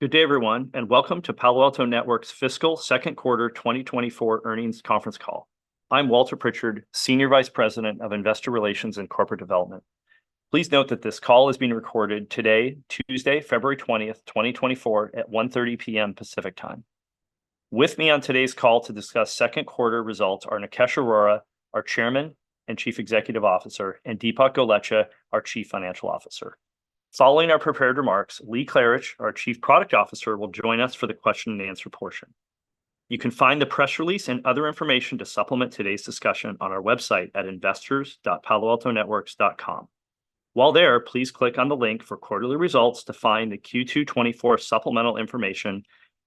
Good day, everyone, and welcome to Palo Alto Networks Fiscal Q2 2024 earnings conference call. I'm Walter Pritchard, Senior Vice President of Investor Relations and Corporate Development. Please note that this call is being recorded today, Tuesday, 20, February 2024, at 1:30 P.M. Pacific Time. With me on today's call to discuss Q2 results are Nikesh Arora, our Chairman and Chief Executive Officer, and Dipak Golechha, our Chief Financial Officer. Following our prepared remarks, Lee Klarich, our Chief Product Officer, will join us for the question-and-answer portion. You can find the press release and other information to supplement today's discussion on our website at investors.paloaltonetworks.com. While there, please click on the link for Quarterly Results to find the Q2 2024 supplemental information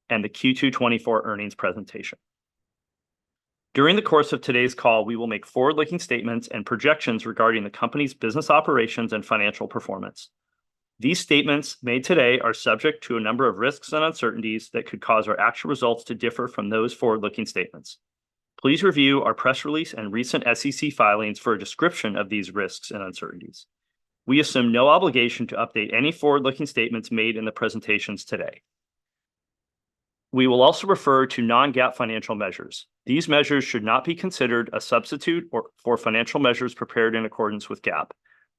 and the Q2 2024 Earnings presentation. During the course of today's call, we will make forward-looking statements and projections regarding the company's business operations and financial performance. These statements made today are subject to a number of risks and uncertainties that could cause our actual results to differ from those forward-looking statements. Please review our press release and recent SEC filings for a description of these risks and uncertainties. We assume no obligation to update any forward-looking statements made in the presentations today. We will also refer to non-GAAP financial measures. These measures should not be considered a substitute for financial measures prepared in accordance with GAAP.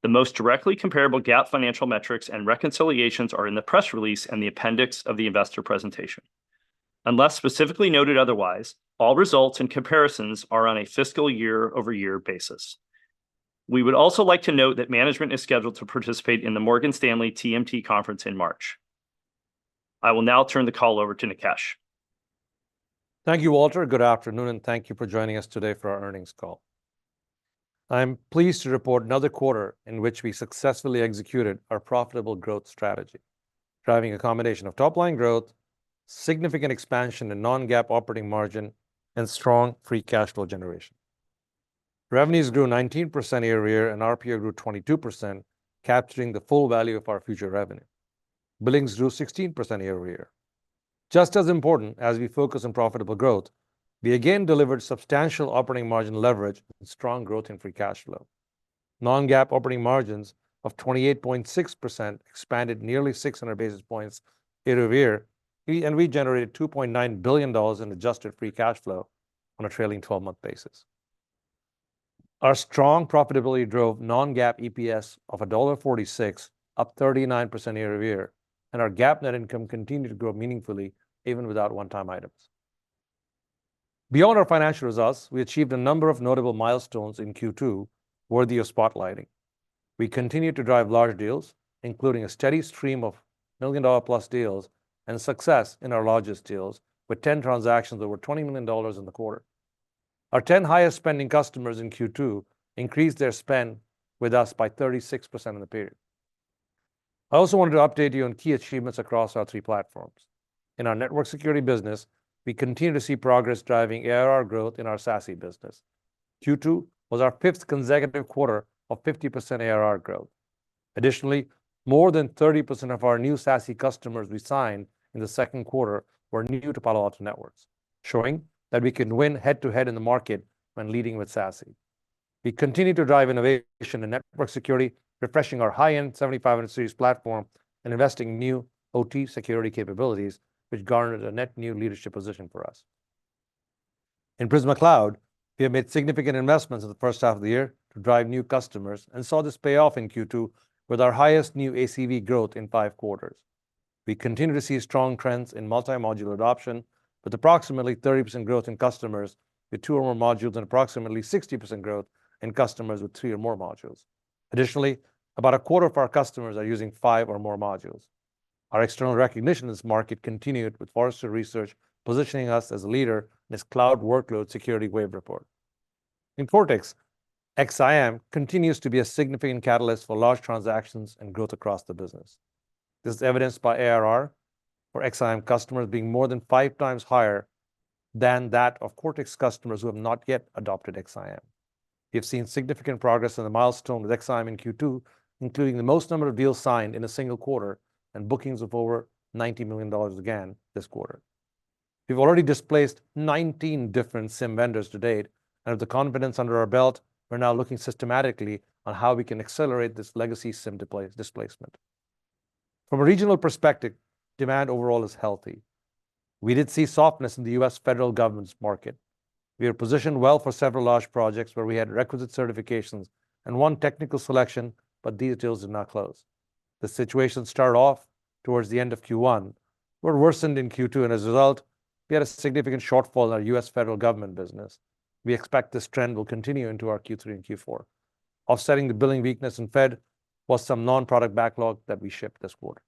The most directly comparable GAAP financial metrics and reconciliations are in the press release and the appendix of the investor presentation. Unless specifically noted otherwise, all results and comparisons are on a fiscal year-over-year basis. We would also like to note that management is scheduled to participate in the Morgan Stanley TMT Conference in March. I will now turn the call over to Nikesh. Thank you, Walter. Good afternoon, and thank you for joining us today for our earnings call. I'm pleased to report another quarter in which we successfully executed our profitable growth strategy, driving a combination of top-line growth, significant expansion in Non-GAAP operating margin, and strong free cash flow generation. Revenues grew 19% year-over-year and RPO grew 22%, capturing the full value of our future revenue. Billings grew 16% year-over-year. Just as important as we focus on profitable growth, we again delivered substantial operating margin leverage and strong growth in free cash flow. Non-GAAP operating margins of 28.6% expanded nearly 600 basis points year-over-year, and we generated $2.9 billion in adjusted free cash flow on a trailing 12-month basis. Our strong profitability drove Non-GAAP EPS of $1.46, up 39% year-over-year, and our GAAP net income continued to grow meaningfully even without one-time items. Beyond our financial results, we achieved a number of notable milestones in Q2 worthy of spotlighting. We continue to drive large deals, including a steady stream of million-dollar-plus deals and success in our largest deals, with 10 transactions over $20 million in the quarter. Our 10 highest-spending customers in Q2 increased their spend with us by 36% in the period. I also wanted to update you on key achievements across our three platforms. In our network security business, we continue to see progress driving ARR growth in our SASE business. Q2 was our 5th consecutive quarter of 50% ARR growth. Additionally, more than 30% of our new SASE customers we signed in the Q2 were new to Palo Alto Networks, showing that we can win head-to-head in the market when leading with SASE. We continue to drive innovation in network security, refreshing our high-end 7500 series platform and investing in new OT Security capabilities, which garnered a net new leadership position for us. In Prisma Cloud, we have made significant investments in the first half of the year to drive new customers and saw this pay off in Q2 with our highest new ACV growth in five quarters. We continue to see strong trends in multimodular adoption, with approXSIAMately 30% growth in customers with two or more modules and approXSIAMately 60% growth in customers with three or more modules. Additionally, about a quarter of our customers are using five or more modules. Our external recognition in this market continued, with Forrester Research positioning us as a leader in its Cloud Workload Security Wave report. In Cortex, XSIAM continues to be a significant catalyst for large transactions and growth across the business. This is evidenced by ARR, with XSIAM customers being more than five times higher than that of Cortex customers who have not yet adopted XSIAM. We have seen significant progress in the milestone with XSIAM in Q2, including the most number of deals signed in a single quarter and bookings of over $90 million again this quarter. We've already displaced 19 different SIEM vendors to date, and with the confidence under our belt, we're now looking systematically on how we can accelerate this legacy SIEM displacement. From a regional perspective, demand overall is healthy. We did see softness in the U.S. federal government's market. We were positioned well for several large projects where we had requisite certifications and won technical selection, but these deals did not close. The situation started off towards the end of Q1, but worsened in Q2, and as a result, we had a significant shortfall in our U.S. federal government business. We expect this trend will continue into our Q3 and Q4. Offsetting the billing weakness in Fed was some non-product backlog that we shipped this quarter.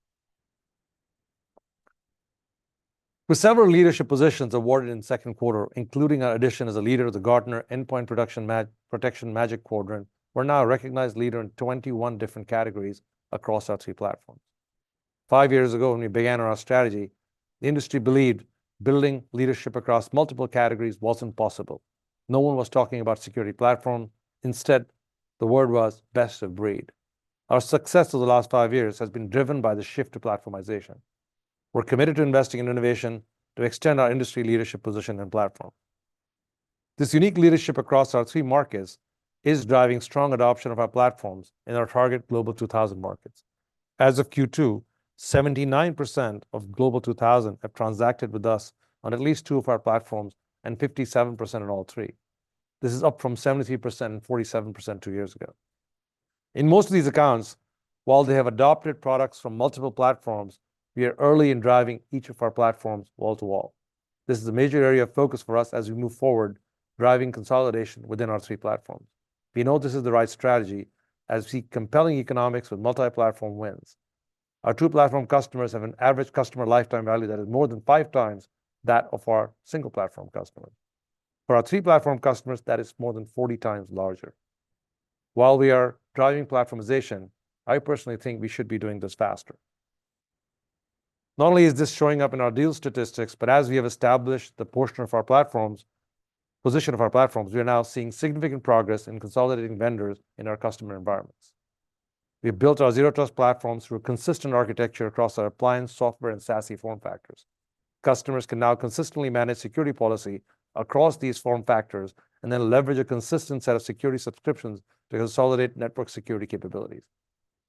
With several leadership positions awarded in the Q2, including our addition as a leader of the Gartner Endpoint Protection Platform Magic Quadrant, we're now a recognized leader in 21 different categories across our three platforms. Five years ago, when we began our strategy, the industry believed building leadership across multiple categories wasn't possible. No one was talking about security platform. Instead, the word was "best of breed." Our success of the last five years has been driven by the shift to platformization. We're committed to investing in innovation to extend our industry leadership position and platform. This unique leadership across our three markets is driving strong adoption of our platforms in our target Global 2000 markets. As of Q2, 79% of Global 2000 have transacted with us on at least two of our platforms and 57% in all three. This is up from 73% and 47% two years ago. In most of these accounts, while they have adopted products from multiple platforms, we are early in driving each of our platforms wall-to-wall. This is a major area of focus for us as we move forward, driving consolidation within our three platforms. We know this is the right strategy as we see compelling economics with multi-platform wins. Our two-platform customers have an average customer lifetime value that is more than five times that of our single-platform customers. For our three-platform customers, that is more than 40x larger. While we are driving platformization, I personally think we should be doing this faster. Not only is this showing up in our deal statistics, but as we have established the portion of our platforms position of our platforms, we are now seeing significant progress in consolidating vendors in our customer environments. We have built our Zero Trust platforms through a consistent architecture across our appliance, software, and SASE form factors. Customers can now consistently manage security policy across these form factors and then leverage a consistent set of security subscriptions to consolidate network security capabilities.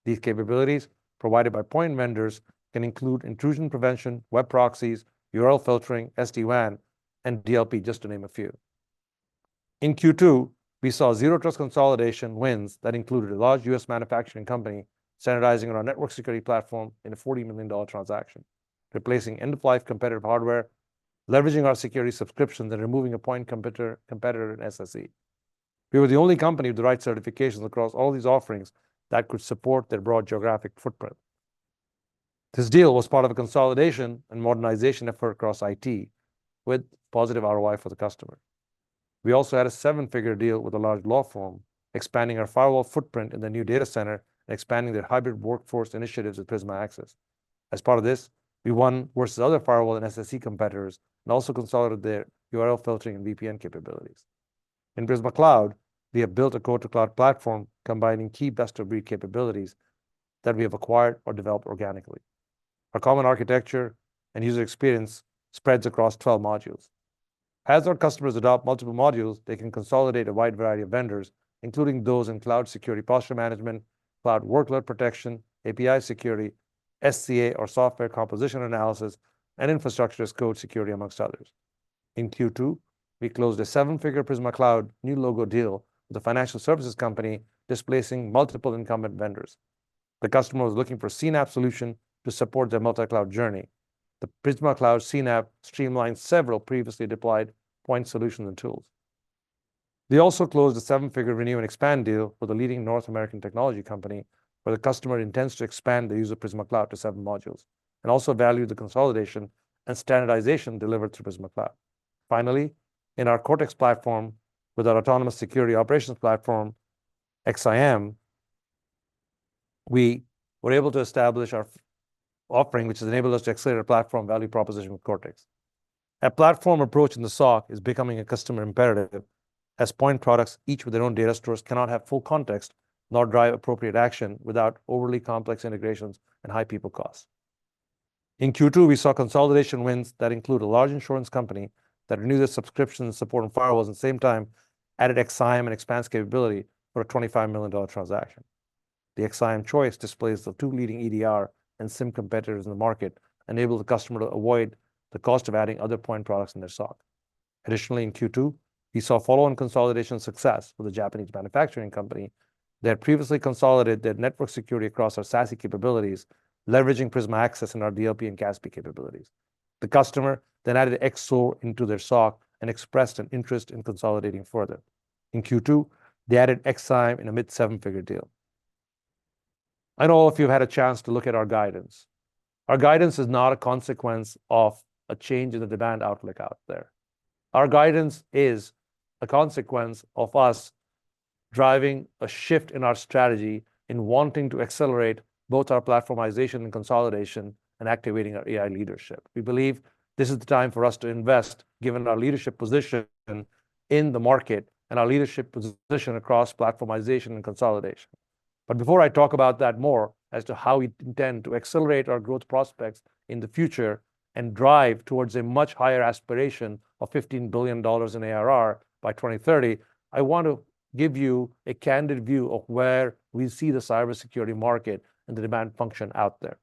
These capabilities provided by point vendors can include intrusion prevention, web proxies, URL filtering, SD-WAN, and DLP, just to name a few. In Q2, we saw Zero Trust consolidation wins that included a large U.S. manufacturing company standardizing our network security platform in a $40 million transaction, replacing end-of-life competitive hardware, leveraging our security subscriptions, and removing a point competitor in SSE. We were the only company with the right certifications across all these offerings that could support their broad geographic footprint. This deal was part of a consolidation and modernization effort across IT with positive ROI for the customer. We also had a seven-figure deal with a large law firm expanding our firewall footprint in the new data center and expanding their hybrid workforce initiatives with Prisma Access. As part of this, we won versus other firewall and SSE competitors and also consolidated their URL filtering and VPN capabilities. In Prisma Cloud, we have built a code-to-cloud platform combining key best-of-breed capabilities that we have acquired or developed organically. Our common architecture and user experience spreads across 12 modules. As our customers adopt multiple modules, they can consolidate a wide variety of vendors, including those in cloud security posture management, cloud workload protection, API security, SCA or software composition analysis, and infrastructure as code security, among others. In Q2, we closed a seven-figure Prisma Cloud new logo deal with a financial services company displacing multiple incumbent vendors. The customer was looking for a CNAPP solution to support their multi-cloud journey. The Prisma Cloud CNAPP streamlined several previously deployed point solutions and tools. We also closed a seven-figure renew and expand deal with a leading North American technology company where the customer intends to expand the use of Prisma Cloud to seven modules and also value the consolidation and standardization delivered through Prisma Cloud. Finally, in our Cortex platform with our autonomous security operations platform, XSIAM, we were able to establish our offering, which has enabled us to accelerate our platform value proposition with Cortex. A platform approach in the SOC is becoming a customer imperative as point products, each with their own data stores, cannot have full context nor drive appropriate action without overly complex integrations and high people costs. In Q2, we saw consolidation wins that include a large insurance company that renewed their subscriptions and supported firewalls at the same time, added XSIAM and Expanse capability for a $25 million transaction. The XSIAM choice displaces the two leading EDR and SIM competitors in the market, enabling the customer to avoid the cost of adding other point products in their SOC. Additionally, in Q2, we saw follow-on consolidation success with a Japanese manufacturing company that previously consolidated their network security across our SASE capabilities, leveraging Prisma Access and our DLP and CASB capabilities. The customer then added XSOAR into their SOC and expressed an interest in consolidating further. In Q2, they added XSIAM in a mid-seven-figure deal. I know all of you have had a chance to look at our guidance. Our guidance is not a consequence of a change in the demand outlook out there. Our guidance is a consequence of us driving a shift in our strategy in wanting to accelerate both our platformization and consolidation and activating our AI leadership. We believe this is the time for us to invest, given our leadership position in the market and our leadership position across platformization and consolidation. Before I talk about that more as to how we intend to accelerate our growth prospects in the future and drive towards a much higher aspiration of $15 billion in ARR by 2030, I want to give you a candid view of where we see the cybersecurity market and the demand function out there.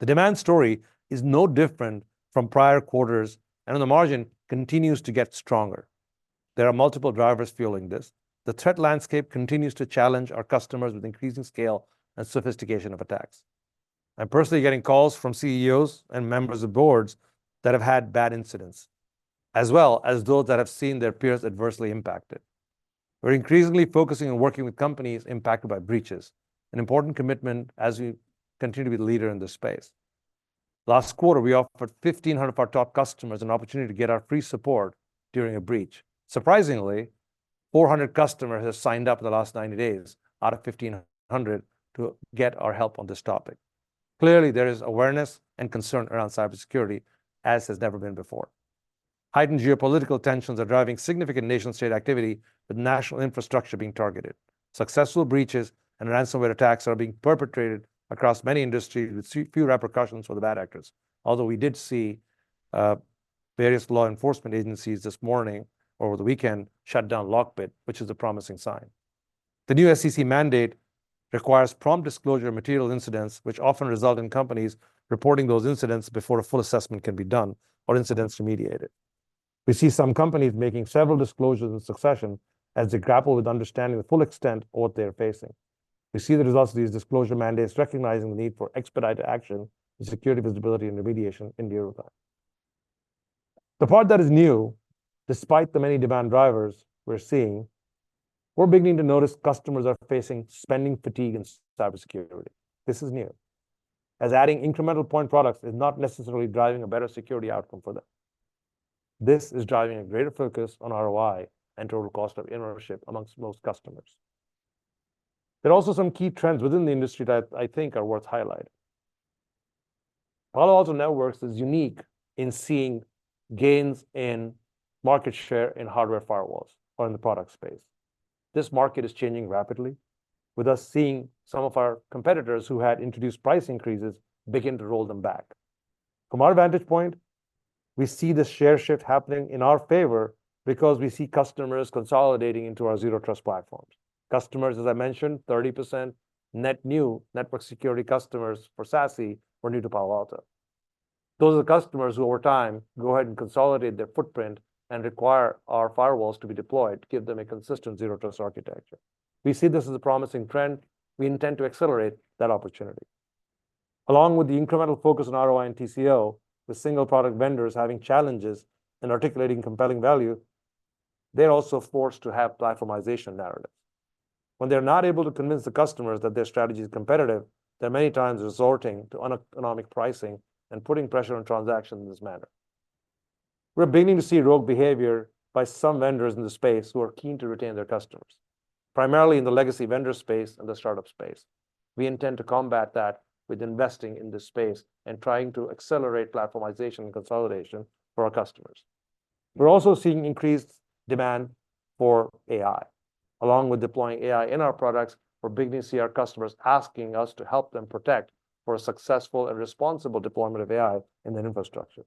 The demand story is no different from prior quarters and, on the margin, continues to get stronger. There are multiple drivers fueling this. The threat landscape continues to challenge our customers with increasing scale and sophistication of attacks. I'm personally getting calls from CEOs and members of boards that have had bad incidents, as well as those that have seen their peers adversely impacted. We're increasingly focusing on working with companies impacted by breaches, an important commitment as we continue to be the leader in this space. Last quarter, we offered 1,500 of our top customers an opportunity to get our free support during a breach. Surprisingly, 400 customers have signed up in the last 90 days out of 1,500 to get our help on this topic. Clearly, there is awareness and concern around cybersecurity as has never been before. Heightened geopolitical tensions are driving significant nation-state activity, with national infrastructure being targeted. Successful breaches and ransomware attacks are being perpetrated across many industries, with few repercussions for the bad actors, although we did see various law enforcement agencies this morning or over the weekend shut down LockBit, which is a promising sign. The new SEC mandate requires prompt disclosure of material incidents, which often result in companies reporting those incidents before a full assessment can be done or incidents remediated. We see some companies making several disclosures in succession as they grapple with understanding the full extent of what they are facing. We see the results of these disclosure mandates recognizing the need for expedited action and security visibility and remediation in real time. The part that is new, despite the many demand drivers we're seeing, we're beginning to notice customers are facing spending fatigue in cybersecurity. This is new, as adding incremental point products is not necessarily driving a better security outcome for them. This is driving a greater focus on ROI and total cost of ownership amongst most customers. There are also some key trends within the industry that I think are worth highlighting. Palo Alto Networks is unique in seeing gains in market share in hardware firewalls or in the product space. This market is changing rapidly, with us seeing some of our competitors who had introduced price increases begin to roll them back. From our vantage point, we see this share shift happening in our favor because we see customers consolidating into our Zero Trust platforms. Customers, as I mentioned, 30% net new network security customers for SASE were new to Palo Alto. Those are the customers who, over time, go ahead and consolidate their footprint and require our firewalls to be deployed to give them a consistent Zero Trust architecture. We see this as a promising trend. We intend to accelerate that opportunity. Along with the incremental focus on ROI and TCO, with single-product vendors having challenges in articulating compelling value, they're also forced to have platformization narratives. When they're not able to convince the customers that their strategy is competitive, they're many times resorting to uneconomic pricing and putting pressure on transactions in this manner. We're beginning to see rogue behavior by some vendors in the space who are keen to retain their customers, primarily in the legacy vendor space and the startup space. We intend to combat that with investing in this space and trying to accelerate platformization and consolidation for our customers. We're also seeing increased demand for AI, along with deploying AI in our products. We're beginning to see our customers asking us to help them protect for a successful and responsible deployment of AI in their infrastructure.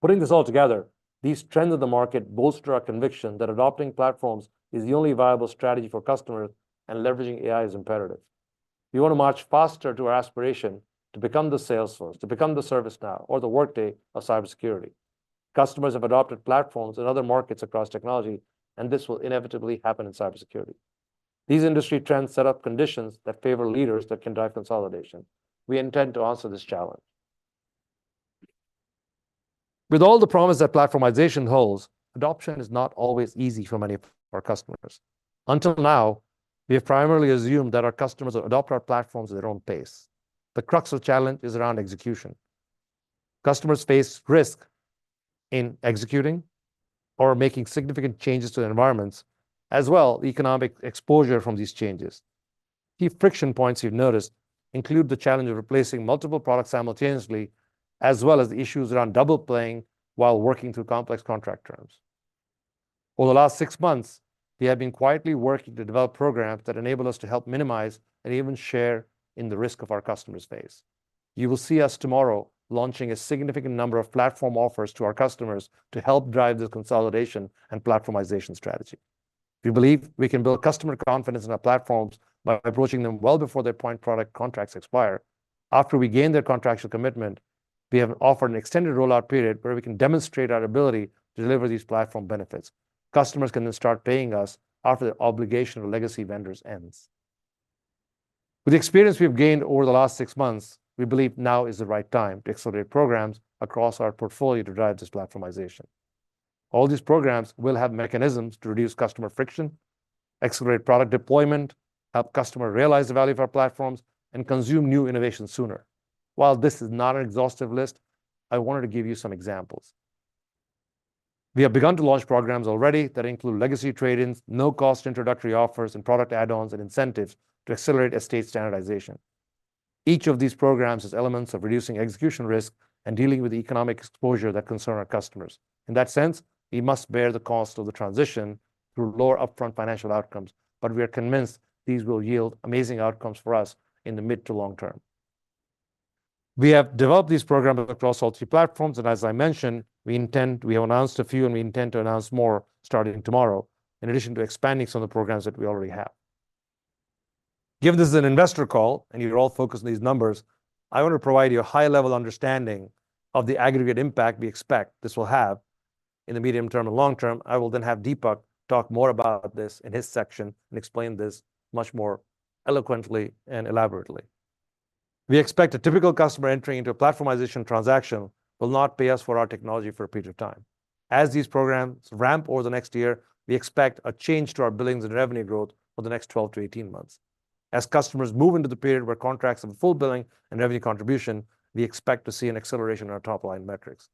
Putting this all together, these trends of the market bolster our conviction that adopting platforms is the only viable strategy for customers, and leveraging AI is imperative. We want to march faster to our aspiration to become the Salesforce, to become the ServiceNow or the Workday of cybersecurity. Customers have adopted platforms in other markets across technology, and this will inevitably happen in cybersecurity. These industry trends set up conditions that favor leaders that can drive consolidation. We intend to answer this challenge. With all the promise that Platformization holds, adoption is not always easy for many of our customers. Until now, we have primarily assumed that our customers adopt our platforms at their own pace. The crux of the challenge is around execution. Customers face risk in executing or making significant changes to the environments, as well as economic exposure from these changes. Key friction points you've noticed include the challenge of replacing multiple products simultaneously, as well as the issues around double playing while working through complex contract terms. Over the last six months, we have been quietly working to develop programs that enable us to help minimize and even share in the risks our customers face. You will see us tomorrow launching a significant number of platform offers to our customers to help drive this consolidation and Platformization strategy. We believe we can build customer confidence in our platforms by approaching them well before their point product contracts expire. After we gain their contractual commitment, we have offered an extended rollout period where we can demonstrate our ability to deliver these platform benefits. Customers can then start paying us after their obligation to legacy vendors ends. With the experience we have gained over the last six months, we believe now is the right time to accelerate programs across our portfolio to drive this Platformization. All these programs will have mechanisms to reduce customer friction, accelerate product deployment, help customers realize the value of our platforms, and consume new innovations sooner. While this is not an exhaustive list, I wanted to give you some examples. We have begun to launch programs already that include legacy trade-ins, no-cost introductory offers, and product add-ons and incentives to accelerate estate standardization. Each of these programs has elements of reducing execution risk and dealing with the economic exposure that concern our customers. In that sense, we must bear the cost of the transition through lower upfront financial outcomes, but we are convinced these will yield amazing outcomes for us in the mid to long term. We have developed these programs across all three platforms, and as I mentioned, we intend we have announced a few, and we intend to announce more starting tomorrow, in addition to expanding some of the programs that we already have. Given this is an investor call and you're all focused on these numbers, I want to provide you a high-level understanding of the aggregate impact we expect this will have in the medium term and long term. I will then have Dipak talk more about this in his section and explain this much more eloquently and elaborately. We expect a typical customer entering into a platformization transaction will not pay us for our technology for a period of time. As these programs ramp over the next year, we expect a change to our billings and revenue growth over the next 12-18 months. As customers move into the period where contracts have full billing and revenue contribution, we expect to see an acceleration in our top-line metrics.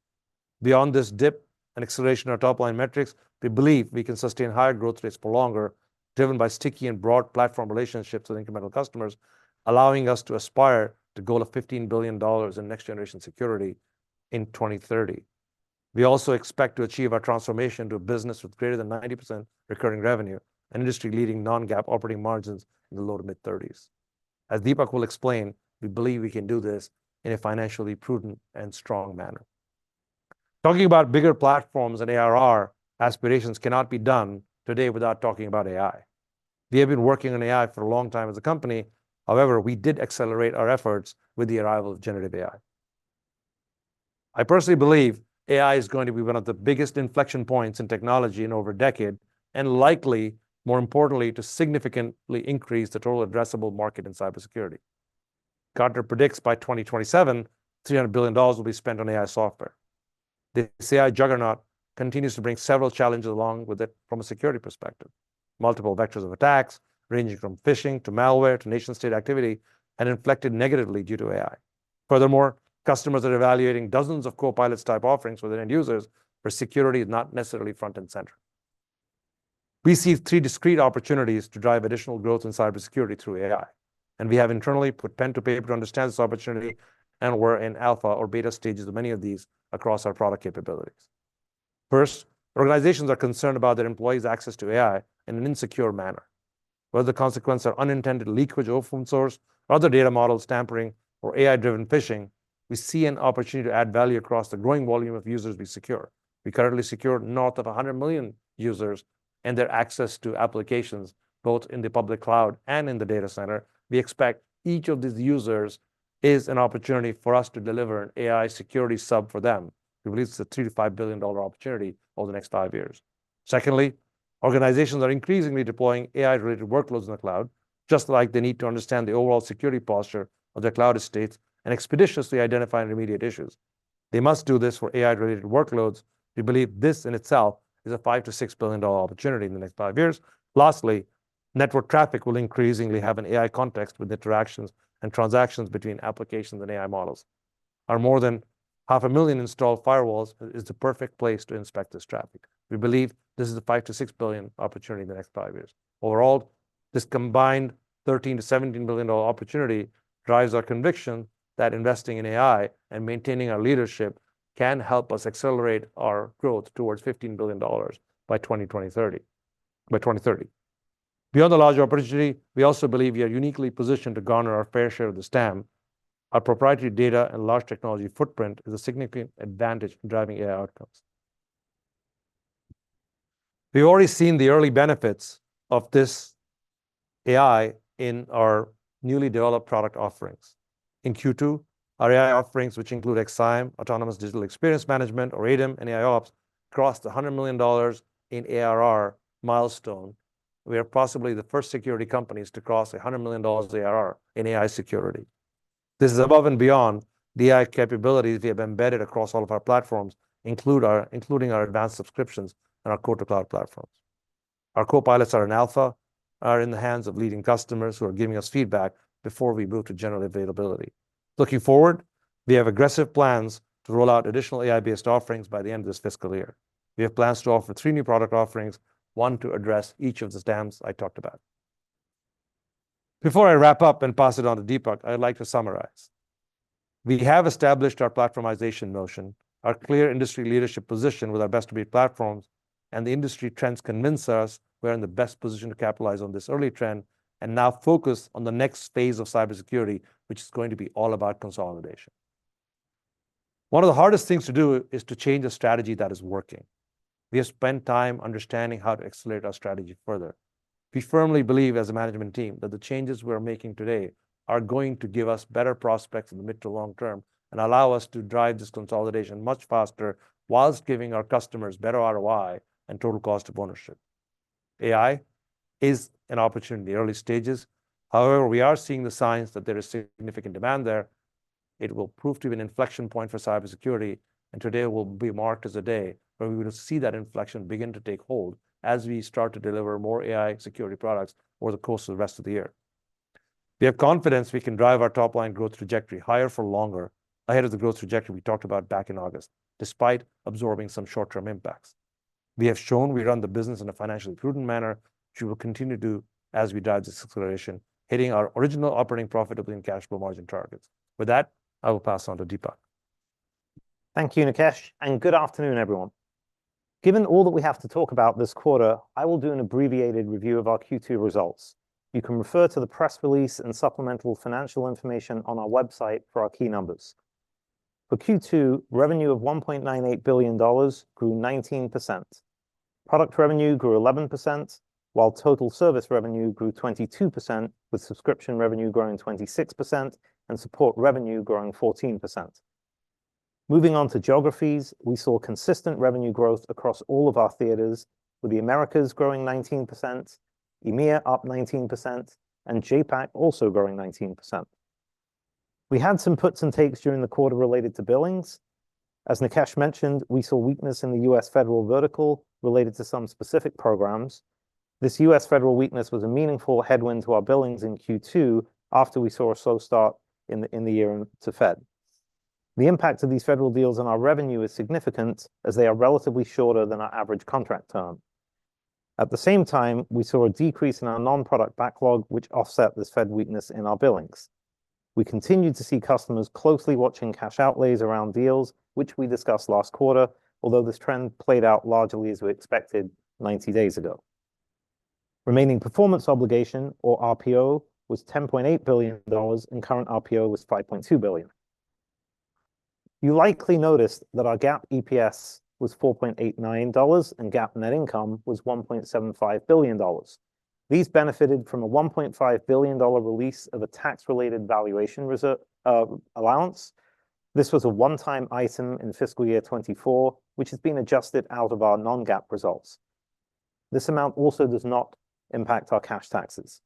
Beyond this dip and acceleration in our top-line metrics, we believe we can sustain higher growth rates for longer, driven by sticky and broad platform relationships with incremental customers, allowing us to aspire to the goal of $15 billion in next-generation security in 2030. We also expect to achieve our transformation to a business with greater than 90% recurring revenue and industry-leading non-GAAP operating margins in the low-to-mid-30s. As Dipak will explain, we believe we can do this in a financially prudent and strong manner. Talking about bigger platforms and ARR aspirations cannot be done today without talking about AI. We have been working on AI for a long time as a company. However, we did accelerate our efforts with the arrival of generative AI. I personally believe AI is going to be one of the biggest inflection points in technology in over a decade and, likely, more importantly, to significantly increase the total addressable market in cybersecurity. Gartner predicts by 2027, $300 billion will be spent on AI software. This AI juggernaut continues to bring several challenges along with it from a security perspective: multiple vectors of attacks ranging from phishing to malware to nation-state activity and inflected negatively due to AI. Furthermore, customers are evaluating dozens of co-pilots-type offerings within end users where security is not necessarily front and center. We see three discrete opportunities to drive additional growth in cybersecurity through AI, and we have internally put pen to paper to understand this opportunity, and we're in alpha or beta stages of many of these across our product capabilities. First, organizations are concerned about their employees' access to AI in an insecure manner. Whether the consequence are unintended leakage of open source or other data models tampering or AI-driven phishing, we see an opportunity to add value across the growing volume of users we secure. We currently secure north of 100 million users and their access to applications both in the public cloud and in the data center. We expect each of these users is an opportunity for us to deliver an AI security sub for them. We believe it's a $3-5 billion opportunity over the next five years. Secondly, organizations are increasingly deploying AI-related workloads in the cloud, just like they need to understand the overall security posture of their cloud estates and expeditiously identify and remediate issues. They must do this for AI-related workloads. We believe this in itself is a $5-6 billion opportunity in the next five years. Lastly, network traffic will increasingly have an AI context with interactions and transactions between applications and AI models. Our more than half a million installed firewalls is the perfect place to inspect this traffic. We believe this is a $5-6 billion opportunity in the next five years. Overall, this combined $13-17 billion opportunity drives our conviction that investing in AI and maintaining our leadership can help us accelerate our growth towards $15 billion by 2030. Beyond the larger opportunity, we also believe we are uniquely positioned to garner our fair share of the TAM. Our proprietary data and large technology footprint is a significant advantage in driving AI outcomes. We've already seen the early benefits of this AI in our newly developed product offerings. In Q2, our AI offerings, which include XSIAM, Autonomous Digital Experience Management, or ADEM and AIOps, crossed the $100 million in ARR milestone. We are possibly the first security companies to cross $100 million ARR in AI security. This is above and beyond the AI capabilities we have embedded across all of our platforms, including our advanced subscriptions and our code-to-cloud platforms. Our co-pilots are in alpha and are in the hands of leading customers who are giving us feedback before we move to general availability. Looking forward, we have aggressive plans to roll out additional AI-based offerings by the end of this fiscal year. We have plans to offer three new product offerings, one to address each of the TAMs I talked about. Before I wrap up and pass it on to Dipak, I'd like to summarize. We have established our Platformization notion, our clear industry leadership position with our best-to-be platforms, and the industry trends convince us we're in the best position to capitalize on this early trend and now focus on the next phase of cybersecurity, which is going to be all about consolidation. One of the hardest things to do is to change a strategy that is working. We have spent time understanding how to accelerate our strategy further. We firmly believe, as a management team, that the changes we are making today are going to give us better prospects in the mid to long term and allow us to drive this consolidation much faster whilst giving our customers better ROI and total cost of ownership. AI is an opportunity in the early stages. However, we are seeing the signs that there is significant demand there. It will prove to be an inflection point for cybersecurity, and today will be marked as a day where we will see that inflection begin to take hold as we start to deliver more AI security products over the course of the rest of the year. We have confidence we can drive our top-line growth trajectory higher for longer ahead of the growth trajectory we talked about back in August, despite absorbing some short-term impacts. We have shown we run the business in a financially prudent manner, which we will continue to do as we drive this acceleration, hitting our original operating profitability and cash flow margin targets. With that, I will pass on to Dipak. Thank you, Nikesh, and good afternoon, everyone. Given all that we have to talk about this quarter, I will do an abbreviated review of our Q2 results. You can refer to the press release and supplemental financial information on our website for our key numbers. For Q2, revenue of $1.98 billion grew 19%. Product revenue grew 11%, while total service revenue grew 22%, with subscription revenue growing 26% and support revenue growing 14%. Moving on to geographies, we saw consistent revenue growth across all of our theaters, with the Americas growing 19%, EMEA up 19%, and JAPAC also growing 19%. We had some puts and takes during the quarter related to billings. As Nikesh mentioned, we saw weakness in the U.S. federal vertical related to some specific programs. This U.S. federal weakness was a meaningful headwind to our billings in Q2 after we saw a slow start in the year to Fed. The impact of these federal deals on our revenue is significant as they are relatively shorter than our average contract term. At the same time, we saw a decrease in our non-product backlog, which offset this Fed weakness in our billings. We continued to see customers closely watching cash outlays around deals, which we discussed last quarter, although this trend played out largely as we expected 90 days ago. Remaining performance obligation, or RPO, was $10.8 billion, and current RPO was $5.2 billion. You likely noticed that our GAAP EPS was $4.89 and GAAP net income was $1.75 billion. These benefited from a $1.5 billion release of a tax-related valuation allowance. This was a one-time item in fiscal year 2024, which has been adjusted out of our non-GAAP results. This amount also does not impact our cash taxes.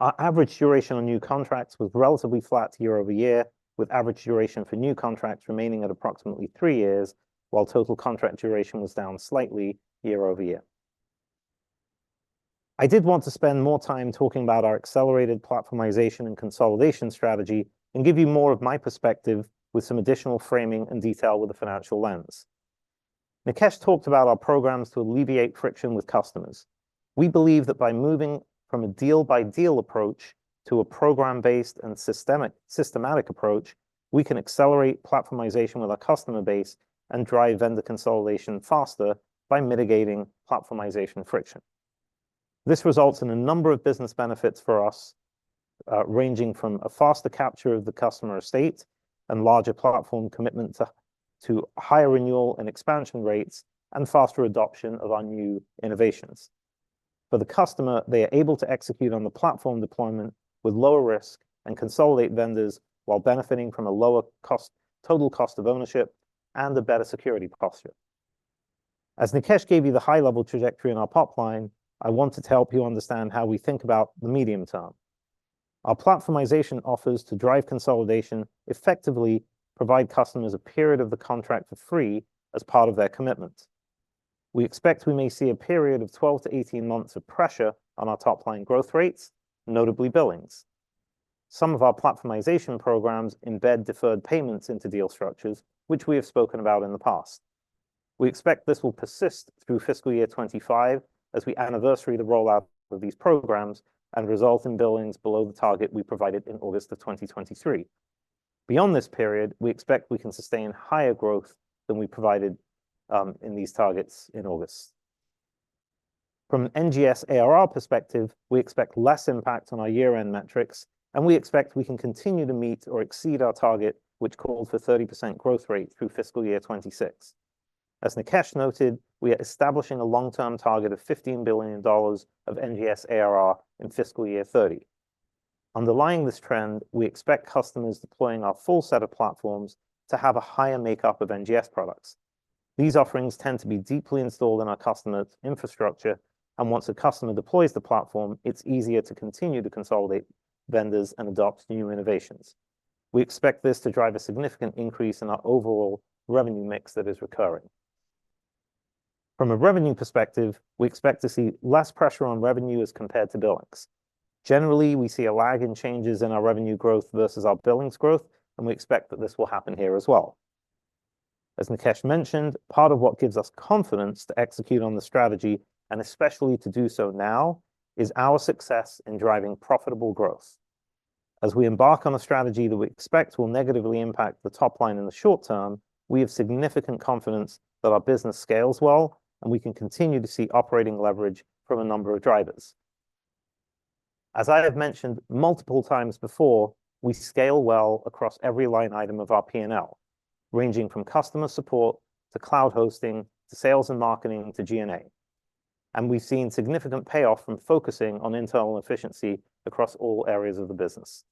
Our average duration on new contracts was relatively flat year-over-year, with average duration for new contracts remaining at approXSIAMately three years, while total contract duration was down slightly year-over-year. I did want to spend more time talking about our accelerated platformization and consolidation strategy and give you more of my perspective with some additional framing and detail with a financial lens. Nikesh talked about our programs to alleviate friction with customers. We believe that by moving from a deal-by-deal approach to a program-based and systematic approach, we can accelerate platformization with our customer base and drive vendor consolidation faster by mitigating platformization friction. This results in a number of business benefits for us, ranging from a faster capture of the customer estate and larger platform commitment to higher renewal and expansion rates and faster adoption of our new innovations. For the customer, they are able to execute on the platform deployment with lower risk and consolidate vendors while benefiting from a lower total cost of ownership and a better security posture. As Nikesh gave you the high-level trajectory in our opening line, I wanted to help you understand how we think about the medium term. Our platformization efforts to drive consolidation effectively provide customers a period of the contract for free as part of their commitment. We expect we may see a period of 12-18 months of pressure on our top-line growth rates, notably billings. Some of our platformization programs embed deferred payments into deal structures, which we have spoken about in the past. We expect this will persist through fiscal year 2025 as we anniversary the rollout of these programs and result in billings below the target we provided in August of 2023. Beyond this period, we expect we can sustain higher growth than we provided in these targets in August. From an NGS ARR perspective, we expect less impact on our year-end metrics, and we expect we can continue to meet or exceed our target, which calls for a 30% growth rate through fiscal year 2026. As Nikesh noted, we are establishing a long-term target of $15 billion of NGS ARR in fiscal year 2030. Underlying this trend, we expect customers deploying our full set of platforms to have a higher makeup of NGS products. These offerings tend to be deeply installed in our customer's infrastructure, and once a customer deploys the platform, it's easier to continue to consolidate vendors and adopt new innovations. We expect this to drive a significant increase in our overall revenue mix that is recurring. From a revenue perspective, we expect to see less pressure on revenue as compared to billings. Generally, we see a lag in changes in our revenue growth versus our billings growth, and we expect that this will happen here as well. As Nikesh mentioned, part of what gives us confidence to execute on the strategy, and especially to do so now, is our success in driving profitable growth. As we embark on a strategy that we expect will negatively impact the top line in the short term, we have significant confidence that our business scales well, and we can continue to see operating leverage from a number of drivers. As I have mentioned multiple times before, we scale well across every line item of our P&L, ranging from customer support to cloud hosting to sales and marketing to G&A. We've seen significant payoff from focusing on internal efficiency across all areas of the business.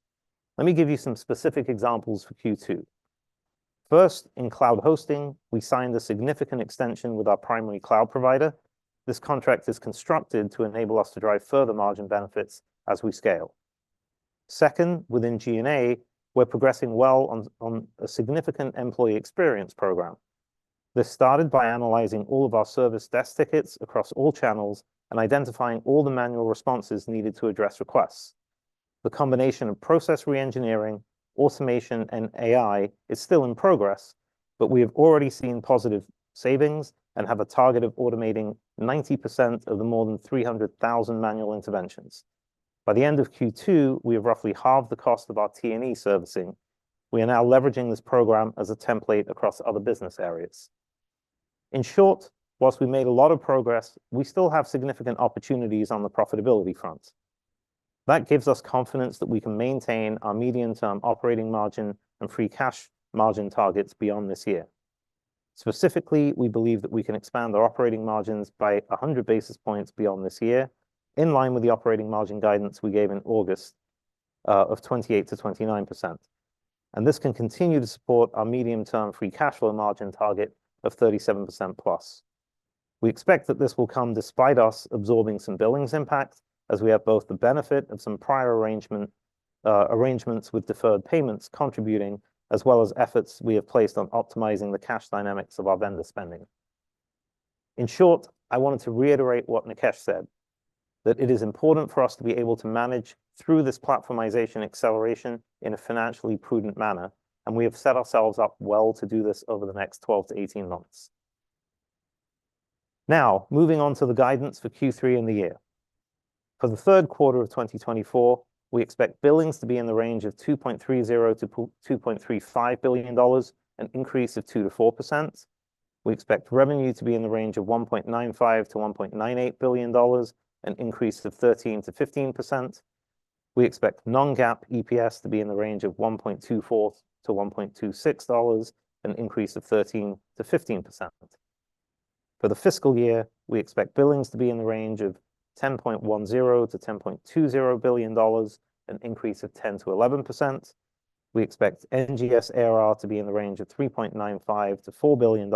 Let me give you some specific examples for Q2. First, in cloud hosting, we signed a significant extension with our primary cloud provider. This contract is constructed to enable us to drive further margin benefits as we scale. Second, within G&A, we're progressing well on a significant employee experience program. This started by analyzing all of our service desk tickets across all channels and identifying all the manual responses needed to address requests. The combination of process re-engineering, re-engineering, automation, and AI is still in progress, but we have already seen positive savings and have a target of automating 90% of the more than 300,000 manual interventions. By the end of Q2, we have roughly halved the cost of our T&E servicing. We are now leveraging this program as a template across other business areas. In short, while we made a lot of progress, we still have significant opportunities on the profitability front. That gives us confidence that we can maintain our medium-term operating margin and free cash margin targets beyond this year. Specifically, we believe that we can expand our operating margins by 100 basis points beyond this year, in line with the operating margin guidance we gave in August of 28%-29%. This can continue to support our medium-term free cash flow margin target of 37%+. We expect that this will come despite us absorbing some billings impact, as we have both the benefit of some prior arrangements with deferred payments contributing, as well as efforts we have placed on optimizing the cash dynamics of our vendor spending. In short, I wanted to reiterate what Nikesh said, that it is important for us to be able to manage through this platformization acceleration in a financially prudent manner, and we have set ourselves up well to do this over the next 12-18 months. Now, moving on to the guidance for Q3 in the year. For the Q3 of 2024, we expect billings to be in the range of $2.30-2.35 billion, an increase of 2%-4%. We expect revenue to be in the range of $1.95-1.98 billion, an increase of 13%-15%. We expect non-GAAP EPS to be in the range of $1.24-1.26, an increase of 13%-15%. For the fiscal year, we expect billings to be in the range of $10.10-10.20 billion, an increase of 10%-11%. We expect NGS ARR to be in the range of $3.95-4 billion,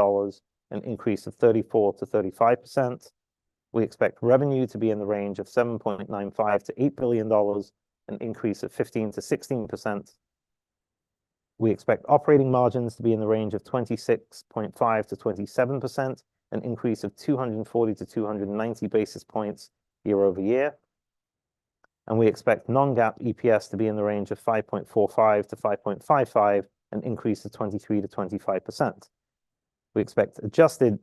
an increase of 34%-35%. We expect revenue to be in the range of $7.95-8 billion, an increase of 15%-16%. We expect operating margins to be in the range of 26.5%-27%, an increase of 240 to 290 basis points year-over-year. We expect non-GAAP EPS to be in the range of $5.45-5.55 billion, an increase of 23%-25%. We expect adjusted